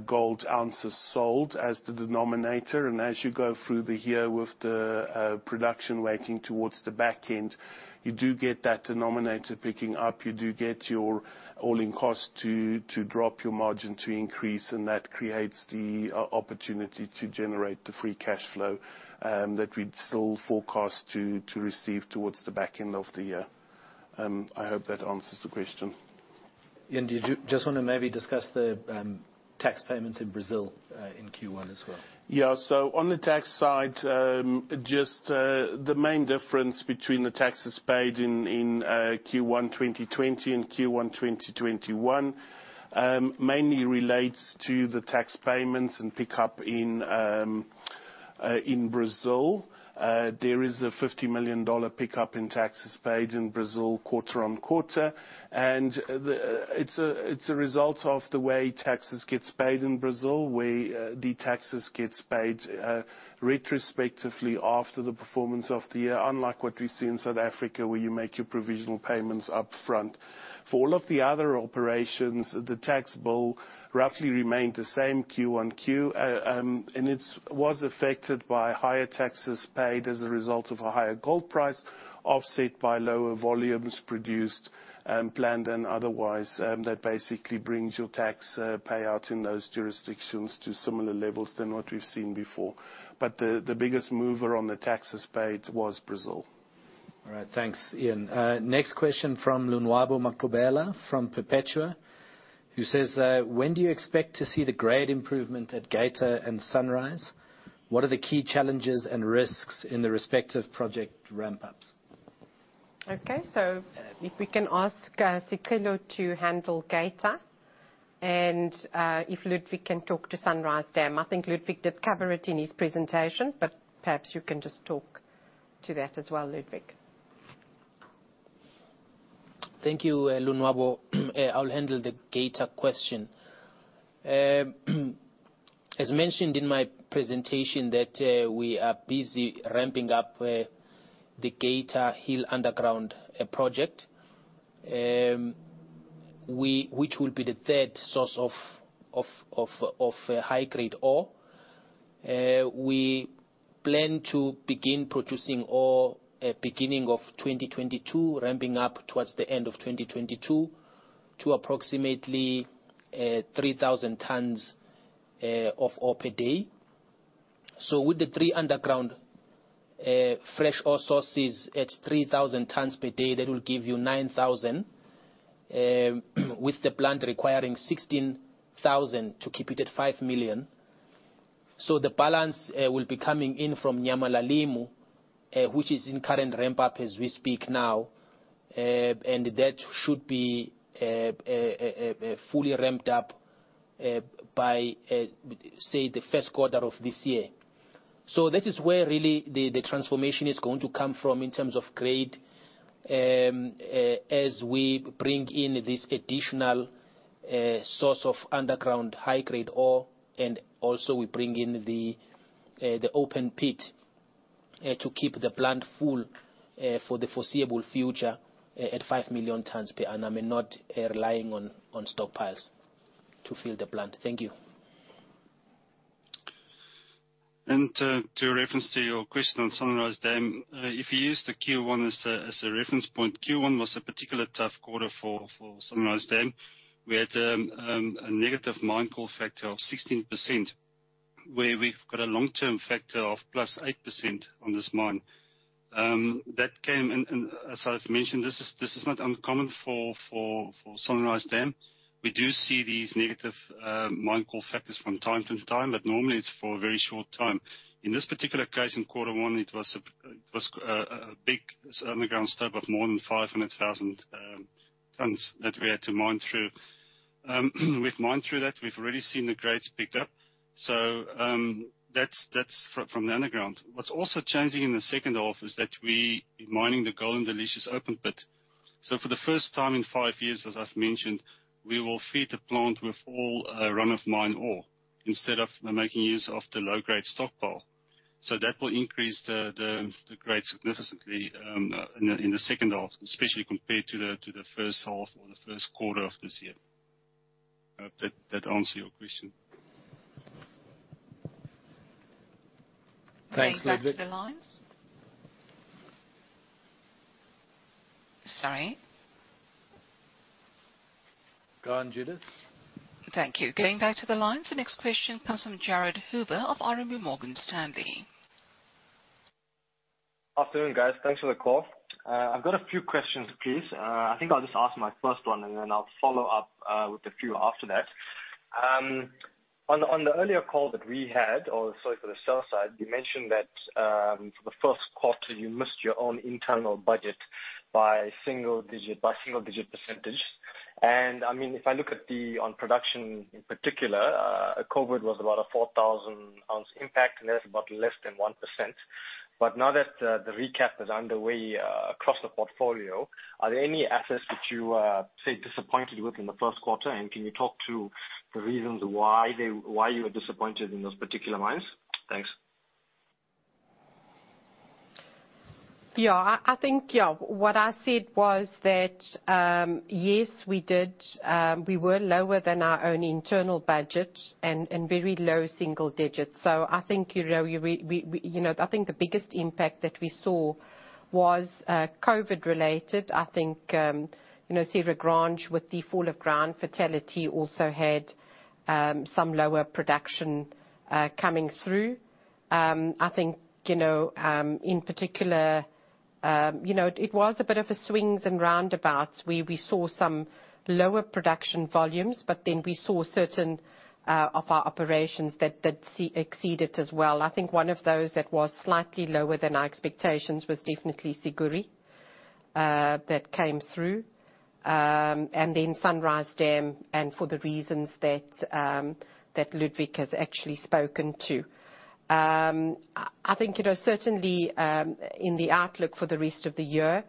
gold ounces sold as the denominator. As you go through the year with the production weighting towards the back end, you do get that denominator picking up. You do get your all-in cost to drop, your margin to increase, and that creates the opportunity to generate the free cash flow that we'd still forecast to receive towards the back end of the year. I hope that answers the question. Ian, do you just want to maybe discuss the tax payments in Brazil, in Q1 as well? Yeah. On the tax side, just the main difference between the taxes paid in Q1 2020 and Q1 2021, mainly relates to the tax payments and pickup in Brazil. There is a $50 million pickup in taxes paid in Brazil quarter-on-quarter. It is a result of the way taxes get paid in Brazil, where the taxes get paid retrospectively after the performance of the year, unlike what we see in South Africa, where you make your provisional payments upfront. For all of the other operations, the tax bill roughly remained the same Q-on-Q. It was affected by higher taxes paid as a result of a higher gold price offset by lower volumes produced, planned, and otherwise. That basically brings your tax payout in those jurisdictions to similar levels than what we've seen before. The biggest mover on the taxes paid was Brazil. All right. Thanks, Ian. Next question from Lonwabo Maqubela from Perpetua, who says, "When do you expect to see the grade improvement at Geita and Sunrise? What are the key challenges and risks in the respective project ramp-ups? If we can ask Sicelo to handle Geita, and if Ludwig can talk to Sunrise Dam. I think Ludwig did cover it in his presentation, but perhaps you can just talk to that as well, Ludwig. Thank you, Lonwabo. I'll handle the Geita question. As mentioned in my presentation that we are busy ramping up the Geita Hill Underground Project, which will be the third source of high-grade ore. We plan to begin producing ore at beginning of 2022, ramping up towards the end of 2022 to approximately 3,000 tons of ore per day. With the three underground fresh ore sources at 3,000 tons per day, that will give you 9,000. With the plant requiring 16,000 to keep it at five million. The balance will be coming in from Nyamulilima, which is in current ramp-up as we speak now, and that should be fully ramped up by, say, Q1 of this year. That is where really the transformation is going to come from in terms of grade, as we bring in this additional source of underground high-grade ore. Also we bring in the open pit to keep the plant full for the foreseeable future at five million tons per annum, not relying on stockpiles to fill the plant. Thank you. To reference to your question on Sunrise Dam, if you use the Q1 as a reference point, Q1 was a particular tough quarter for Sunrise Dam. We've had a negative mine call factor of 16%, where we've got a long-term factor of +8% on this mine. That came, and as I've mentioned, this is not uncommon for Sunrise Dam. We do see these negative mine call factors from time to time, but normally it's for a very short time. In this particular case, in Q1, it was a big underground stope of more than 500,000 tons that we had to mine through. We've mined through that. We've already seen the grades picked up. That's from the underground. What's also changing in the H2 is that we mining the gold in the Carey Shear open pit. For the first time in five years, as I've mentioned, we will feed the plant with all run-of-mine ore instead of making use of the low-grade stockpile. That will increase the grades significantly in the H2, especially compared to the H1 or Q1 of this year. I hope that answers your question. Thanks, Ludwig. Going back to the lines. Sorry. Go on, Judith. Thank you. Going back to the lines. The next question comes from Jared Hoover of RMB Morgan Stanley. Afternoon, guys. Thanks for the call. I've got a few questions, please. I think I'll just ask my first one, and then I'll follow up with a few after that. On the earlier call that we had, or sorry, for the sell side, you mentioned that for Q1, you missed your own internal budget by single-digit percentage. If I look at on production in particular, COVID was about a 4,000 ounce impact, and that's about less than 1%. Now that the recap is underway across the portfolio, are there any assets that you are, say, disappointed with in Q1? Can you talk to the reasons why you are disappointed in those particular mines? Thanks. Yeah. I think what I said was that, yes, we were lower than our own internal budget and very low single digits. I think the biggest impact that we saw was COVID related. I think Serra Grande, with the fall of ground fatality, also had some lower production coming through. I think, in particular, it was a bit of a swings and roundabouts where we saw some lower production volumes, but then we saw certain of our operations that exceeded as well. I think one of those that was slightly lower than our expectations was definitely Siguiri that came through, and then Sunrise Dam, and for the reasons that Ludwig has actually spoken to. I think certainly, in the outlook for the rest of the year,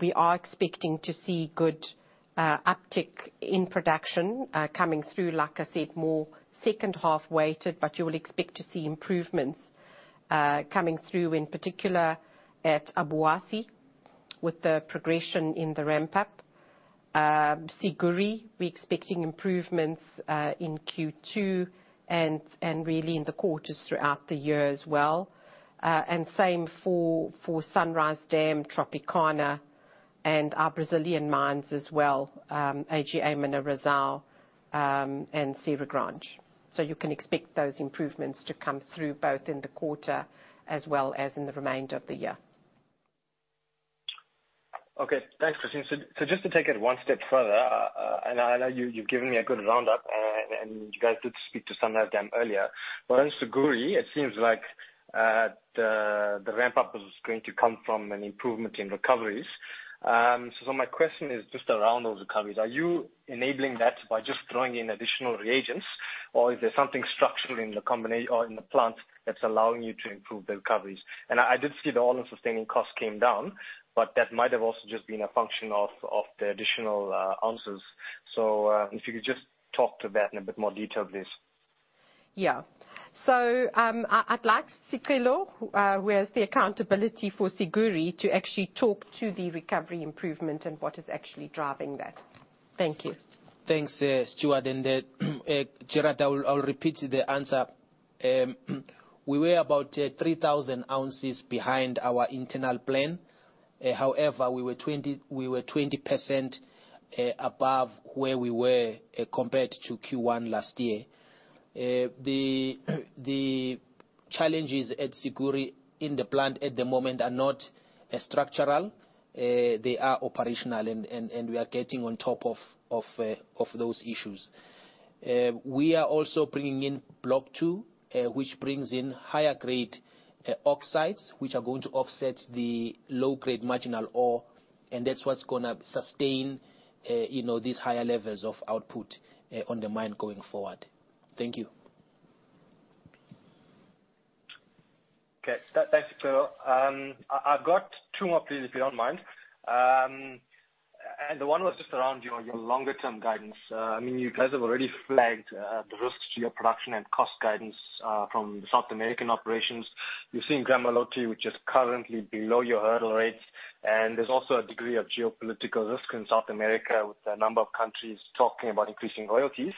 we are expecting to see good uptick in production coming through, like I said, more H2 weighted, you will expect to see improvements coming through, in particular at Obuasi with the progression in the ramp up. Siguiri, we're expecting improvements in Q2 and really in the quarters throughout the year as well. Same for Sunrise Dam, Tropicana and our Brazilian mines as well, AGA Minas Gerais and Serra Grande. You can expect those improvements to come through both in the quarter as well as in the remainder of the year. Okay. Thanks, Christine. Just to take it one step further, and I know you've given me a good roundup, and you guys did speak to Sunrise Dam earlier. On Siguiri, it seems like the ramp-up is going to come from an improvement in recoveries. My question is just around those recoveries. Are you enabling that by just throwing in additional reagents, or is there something structural in the plant that's allowing you to improve the recoveries? I did see the all-in sustaining cost came down, but that might have also just been a function of the additional ounces. If you could just talk to that in a bit more detail, please. Yeah. I'd like Sicelo, who has the accountability for Siguiri, to actually talk to the recovery improvement and what is actually driving that. Thank you. Thanks, Stewart. Jared, I'll repeat the answer. We were about 3,000 ounces behind our internal plan. We were 20% above where we were compared to Q1 last year. The challenges at Siguiri in the plant at the moment are not structural, they are operational, we are getting on top of those issues. We are also bringing in block 2, which brings in higher grade oxides, which are going to offset the low-grade marginal ore, that's what's going to sustain these higher levels of output on the mine going forward. Thank you. Okay. Thanks, Sicelo. I've got two more please, if you don't mind. One was just around your longer-term guidance. You guys have already flagged the risks to your production and cost guidance from the South American operations. You're seeing Gramalote, which is currently below your hurdle rates, and there's also a degree of geopolitical risk in South America with a number of countries talking about increasing royalties.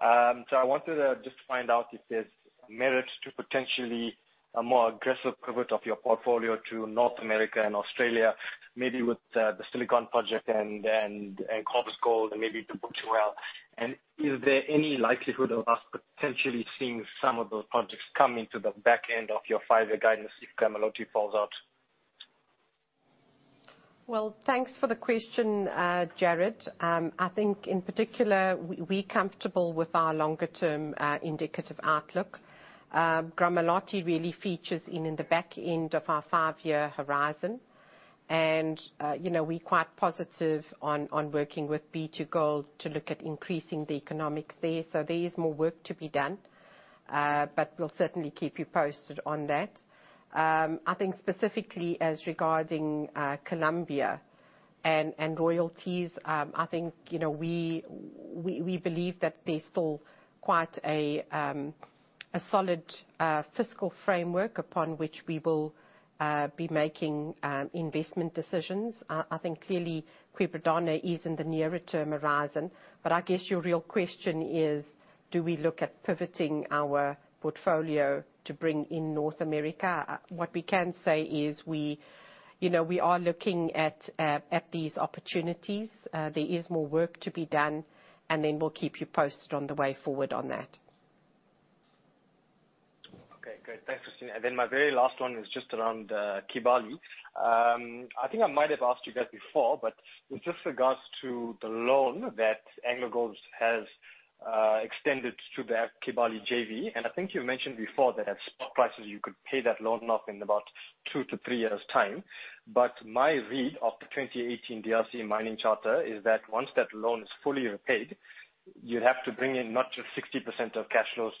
I wanted just to find out if there's merit to potentially a more aggressive pivot of your portfolio to North America and Australia, maybe with the Silicon project and Corvus Gold and maybe the B2Gold. Is there any likelihood of us potentially seeing some of those projects come into the back end of your five-year guidance if Gramalote falls out? Well, thanks for the question, Jared. I think in particular, we're comfortable with our longer-term indicative outlook. Gramalote really features in the back end of our five-year horizon. We're quite positive on working with B2Gold to look at increasing the economics there. There is more work to be done. We'll certainly keep you posted on that. I think specifically as regarding Colombia and royalties, I think we believe that there's still quite a solid fiscal framework upon which we will be making investment decisions. I think clearly, Quebradona is in the nearer term horizon. I guess your real question is, do we look at pivoting our portfolio to bring in North America? What we can say is we are looking at these opportunities. There is more work to be done, and then we'll keep you posted on the way forward on that. Okay, great. Thanks, Christine. My very last one is just around Kibali. I think I might have asked you guys before, with just regards to the loan that AngloGold has extended to that Kibali JV. I think you mentioned before that at spot prices, you could pay that loan off in about two to three years' time. My read of the 2018 DRC Mining Code is that once that loan is fully repaid, you have to bring in not just 60% of cash flows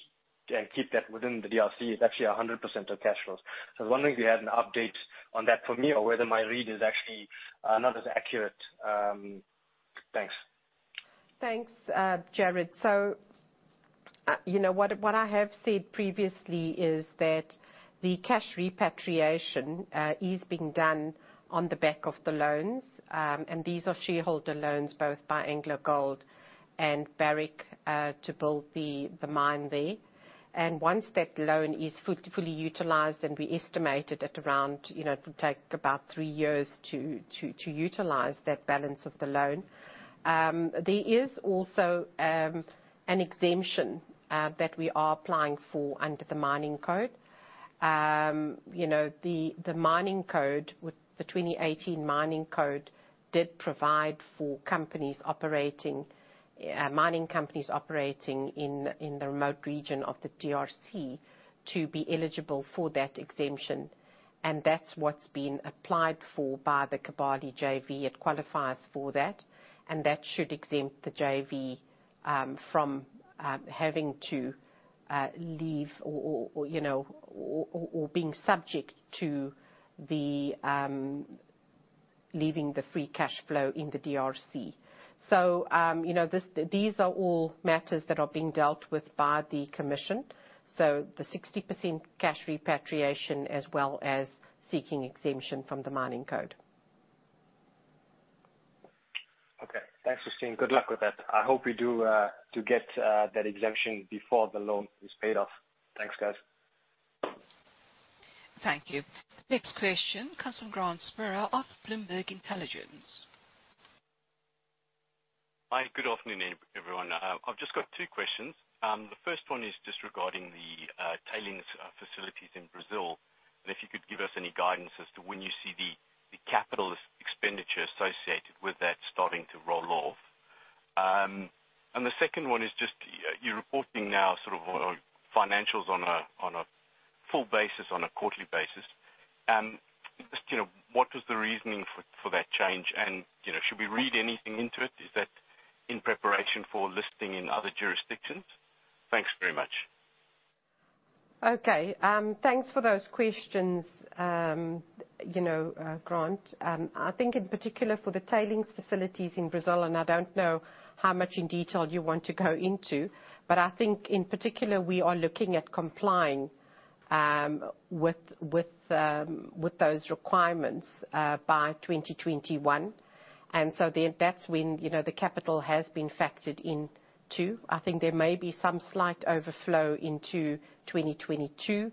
and keep that within the DRC, it's actually 100% of cash flows. I was wondering if you had an update on that for me or whether my read is actually not as accurate. Thanks. Thanks, Jared. What I have said previously is that the cash repatriation is being done on the back of the loans, and these are shareholder loans, both by AngloGold Ashanti and Barrick, to build the mine there. Once that loan is fully utilized, and we estimated it around it would take about three years to utilize that balance of the loan. There is also an exemption that we are applying for under the Mining Code. The 2018 D.R.C. Mining Code did provide for mining companies operating in the remote region of the D.R.C. to be eligible for that exemption. That's what's been applied for by the Kibali JV. It qualifies for that. That should exempt the JV from having to leave or being subject to leaving the free cash flow in the D.R.C. These are all matters that are being dealt with by the commission. The 60% cash repatriation as well as seeking exemption from the Mining Code. Okay. Thanks, Christine. Good luck with that. I hope you do get that exemption before the loan is paid off. Thanks, guys. Thank you. Next question, Grant Sporre of Bloomberg Intelligence. Hi, good afternoon, everyone. I've just got two questions. The first one is just regarding the tailings facilities in Brazil, if you could give us any guidance as to when you see the capital expenditure associated with that starting to roll off. The second one is just, you're reporting now financials on a full basis, on a quarterly basis. Just what was the reasoning for that change? Should we read anything into it? Is that in preparation for listing in other jurisdictions? Thanks very much. Okay. Thanks for those questions, Grant. I think in particular for the tailings facilities in Brazil, I don't know how much in detail you want to go into, but I think in particular, we are looking at complying with those requirements by 2021. That's when the capital has been factored in, too. I think there may be some slight overflow into 2022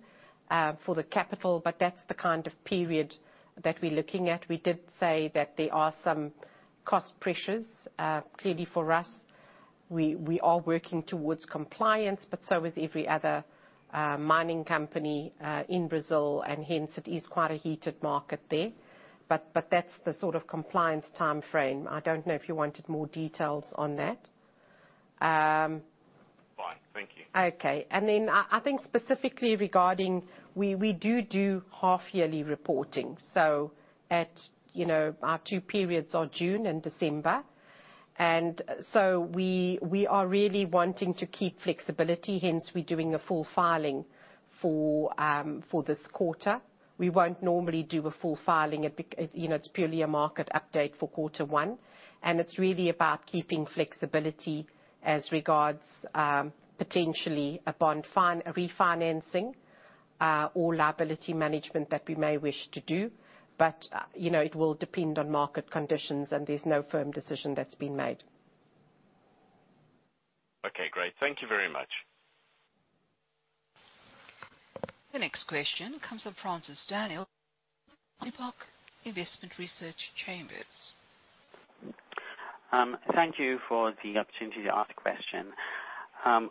for the capital, but that's the kind of period that we're looking at. We did say that there are some cost pressures. Clearly for us, we are working towards compliance, so is every other mining company in Brazil, hence it is quite a heated market there. That's the sort of compliance timeframe. I don't know if you wanted more details on that. Fine. Thank you. I think specifically regarding, we do do half-yearly reporting. Our two periods are June and December. We are really wanting to keep flexibility, hence we're doing a full filing for this quarter. We won't normally do a full filing. It's purely a market update for Q1, and it's really about keeping flexibility as regards potentially a bond refinancing or liability management that we may wish to do. It will depend on market conditions, and there's no firm decision that's been made. Okay, great. Thank you very much. The next question comes from Francis Daniel, Investec Investment Research Chambers. Thank you for the opportunity to ask a question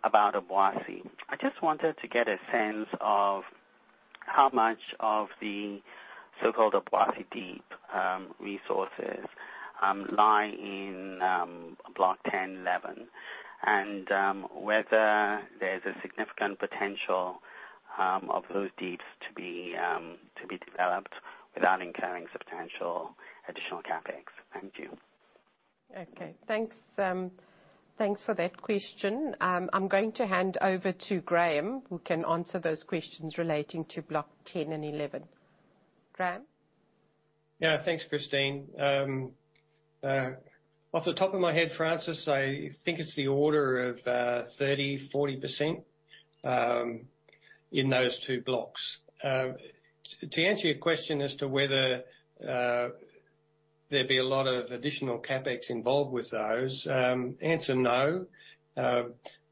about Obuasi. I just wanted to get a sense of how much of the so-called Obuasi Deep resources lie in Block 10, 11, and whether there is a significant potential of those deep to be developed without incurring substantial additional CapEx. Thank you. Okay. Thanks for that question. I'm going to hand over to Graham, who can answer those questions relating to Block 10 and 11. Graham? Yeah. Thanks, Christine. Off the top of my head, Francis, I think it's the order of 30%, 40% in those two blocks. To answer your question as to whether there'd be a lot of additional CapEx involved with those, answer no.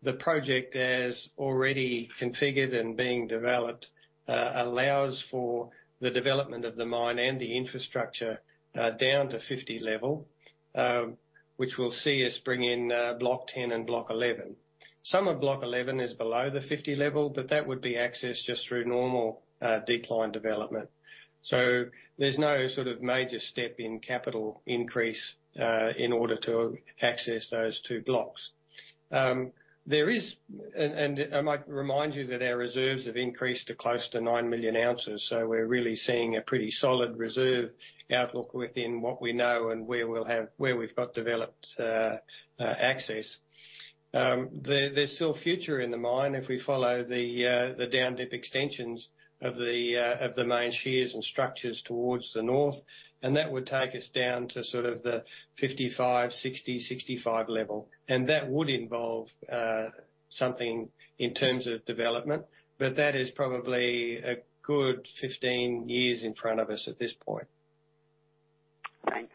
The project as already configured and being developed allows for the development of the mine and the infrastructure down to 50 level, which will see us bring in Block 10 and Block 11. Some of Block 11 is below the 50 level, but that would be accessed just through normal decline development. There's no sort of major step in capital increase in order to access those two blocks. I might remind you that our reserves have increased to close to nine million ounces. We're really seeing a pretty solid reserve outlook within what we know and where we've got developed access. There's still future in the mine if we follow the down-dip extensions of the main shears and structures towards the north, and that would take us down to sort of the 55, 60, 65 level. That would involve something in terms of development, but that is probably a good 15 years in front of us at this point.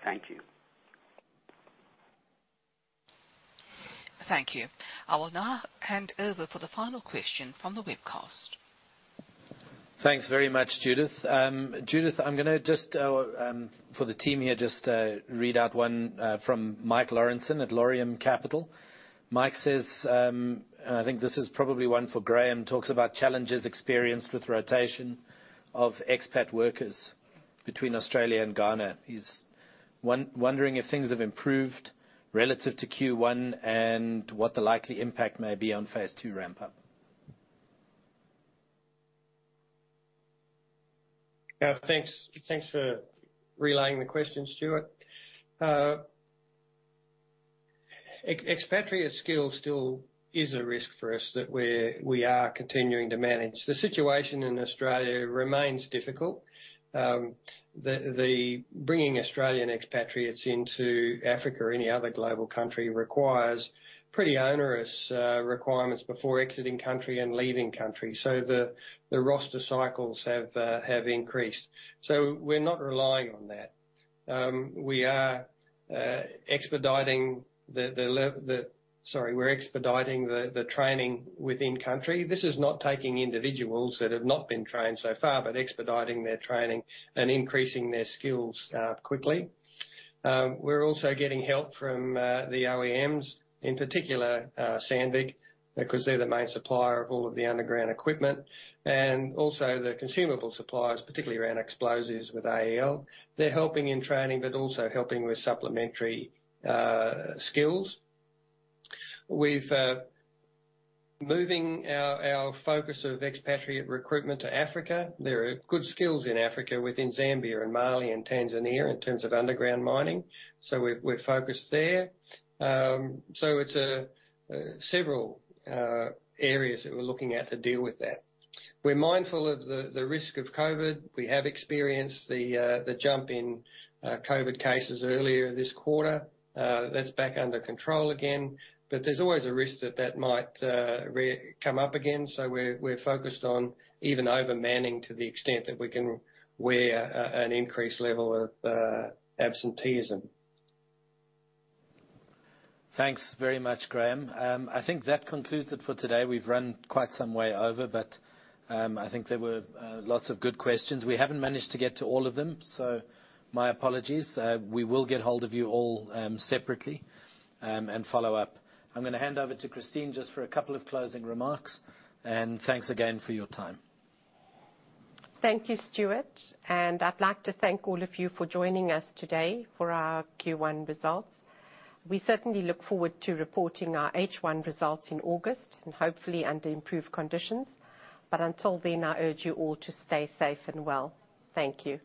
Thank you. Thank you. I will now hand over for the final question from the webcast. Thanks very much, Judith. Judith, I'm gonna just, for the team here, read out one from Mike Lawrenson at Laurium Capital. Mike says, and I think this is probably one for Graham, talks about challenges experienced with rotation of expat workers between Australia and Ghana. He's wondering if things have improved relative to Q1 and what the likely impact may be on phase 2 ramp up. Yeah. Thanks for relaying the question, Stewart. Expatriate skill still is a risk for us that we are continuing to manage. The situation in Australia remains difficult. Bringing Australian expatriates into Africa or any other global country requires pretty onerous requirements before exiting country and leaving country. The roster cycles have increased. We're not relying on that. We are expediting the training within country. This is not taking individuals that have not been trained so far, but expediting their training and increasing their skills quickly. We're also getting help from the OEMs, in particular Sandvik, because they're the main supplier of all of the underground equipment, and also the consumable suppliers, particularly around explosives with AEL. They're helping in training, but also helping with supplementary skills. With moving our focus of expatriate recruitment to Africa, there are good skills in Africa within Zambia and Mali and Tanzania in terms of underground mining. We're focused there. It's several areas that we're looking at to deal with that. We're mindful of the risk of COVID. We have experienced the jump in COVID cases earlier this quarter. That's back under control again. There's always a risk that that might come up again. We're focused on even overmanning to the extent that we can wear an increased level of absenteeism. Thanks very much, Graham. I think that concludes it for today. We've run quite some way over, but I think there were lots of good questions. We haven't managed to get to all of them, so my apologies. We will get hold of you all separately and follow up. I'm going to hand over to Christine just for a couple of closing remarks, and thanks again for your time. Thank you, Stewart. I'd like to thank all of you for joining us today for our Q1 results. We certainly look forward to reporting our H1 results in August, and hopefully under improved conditions. Until then, I urge you all to stay safe and well. Thank you.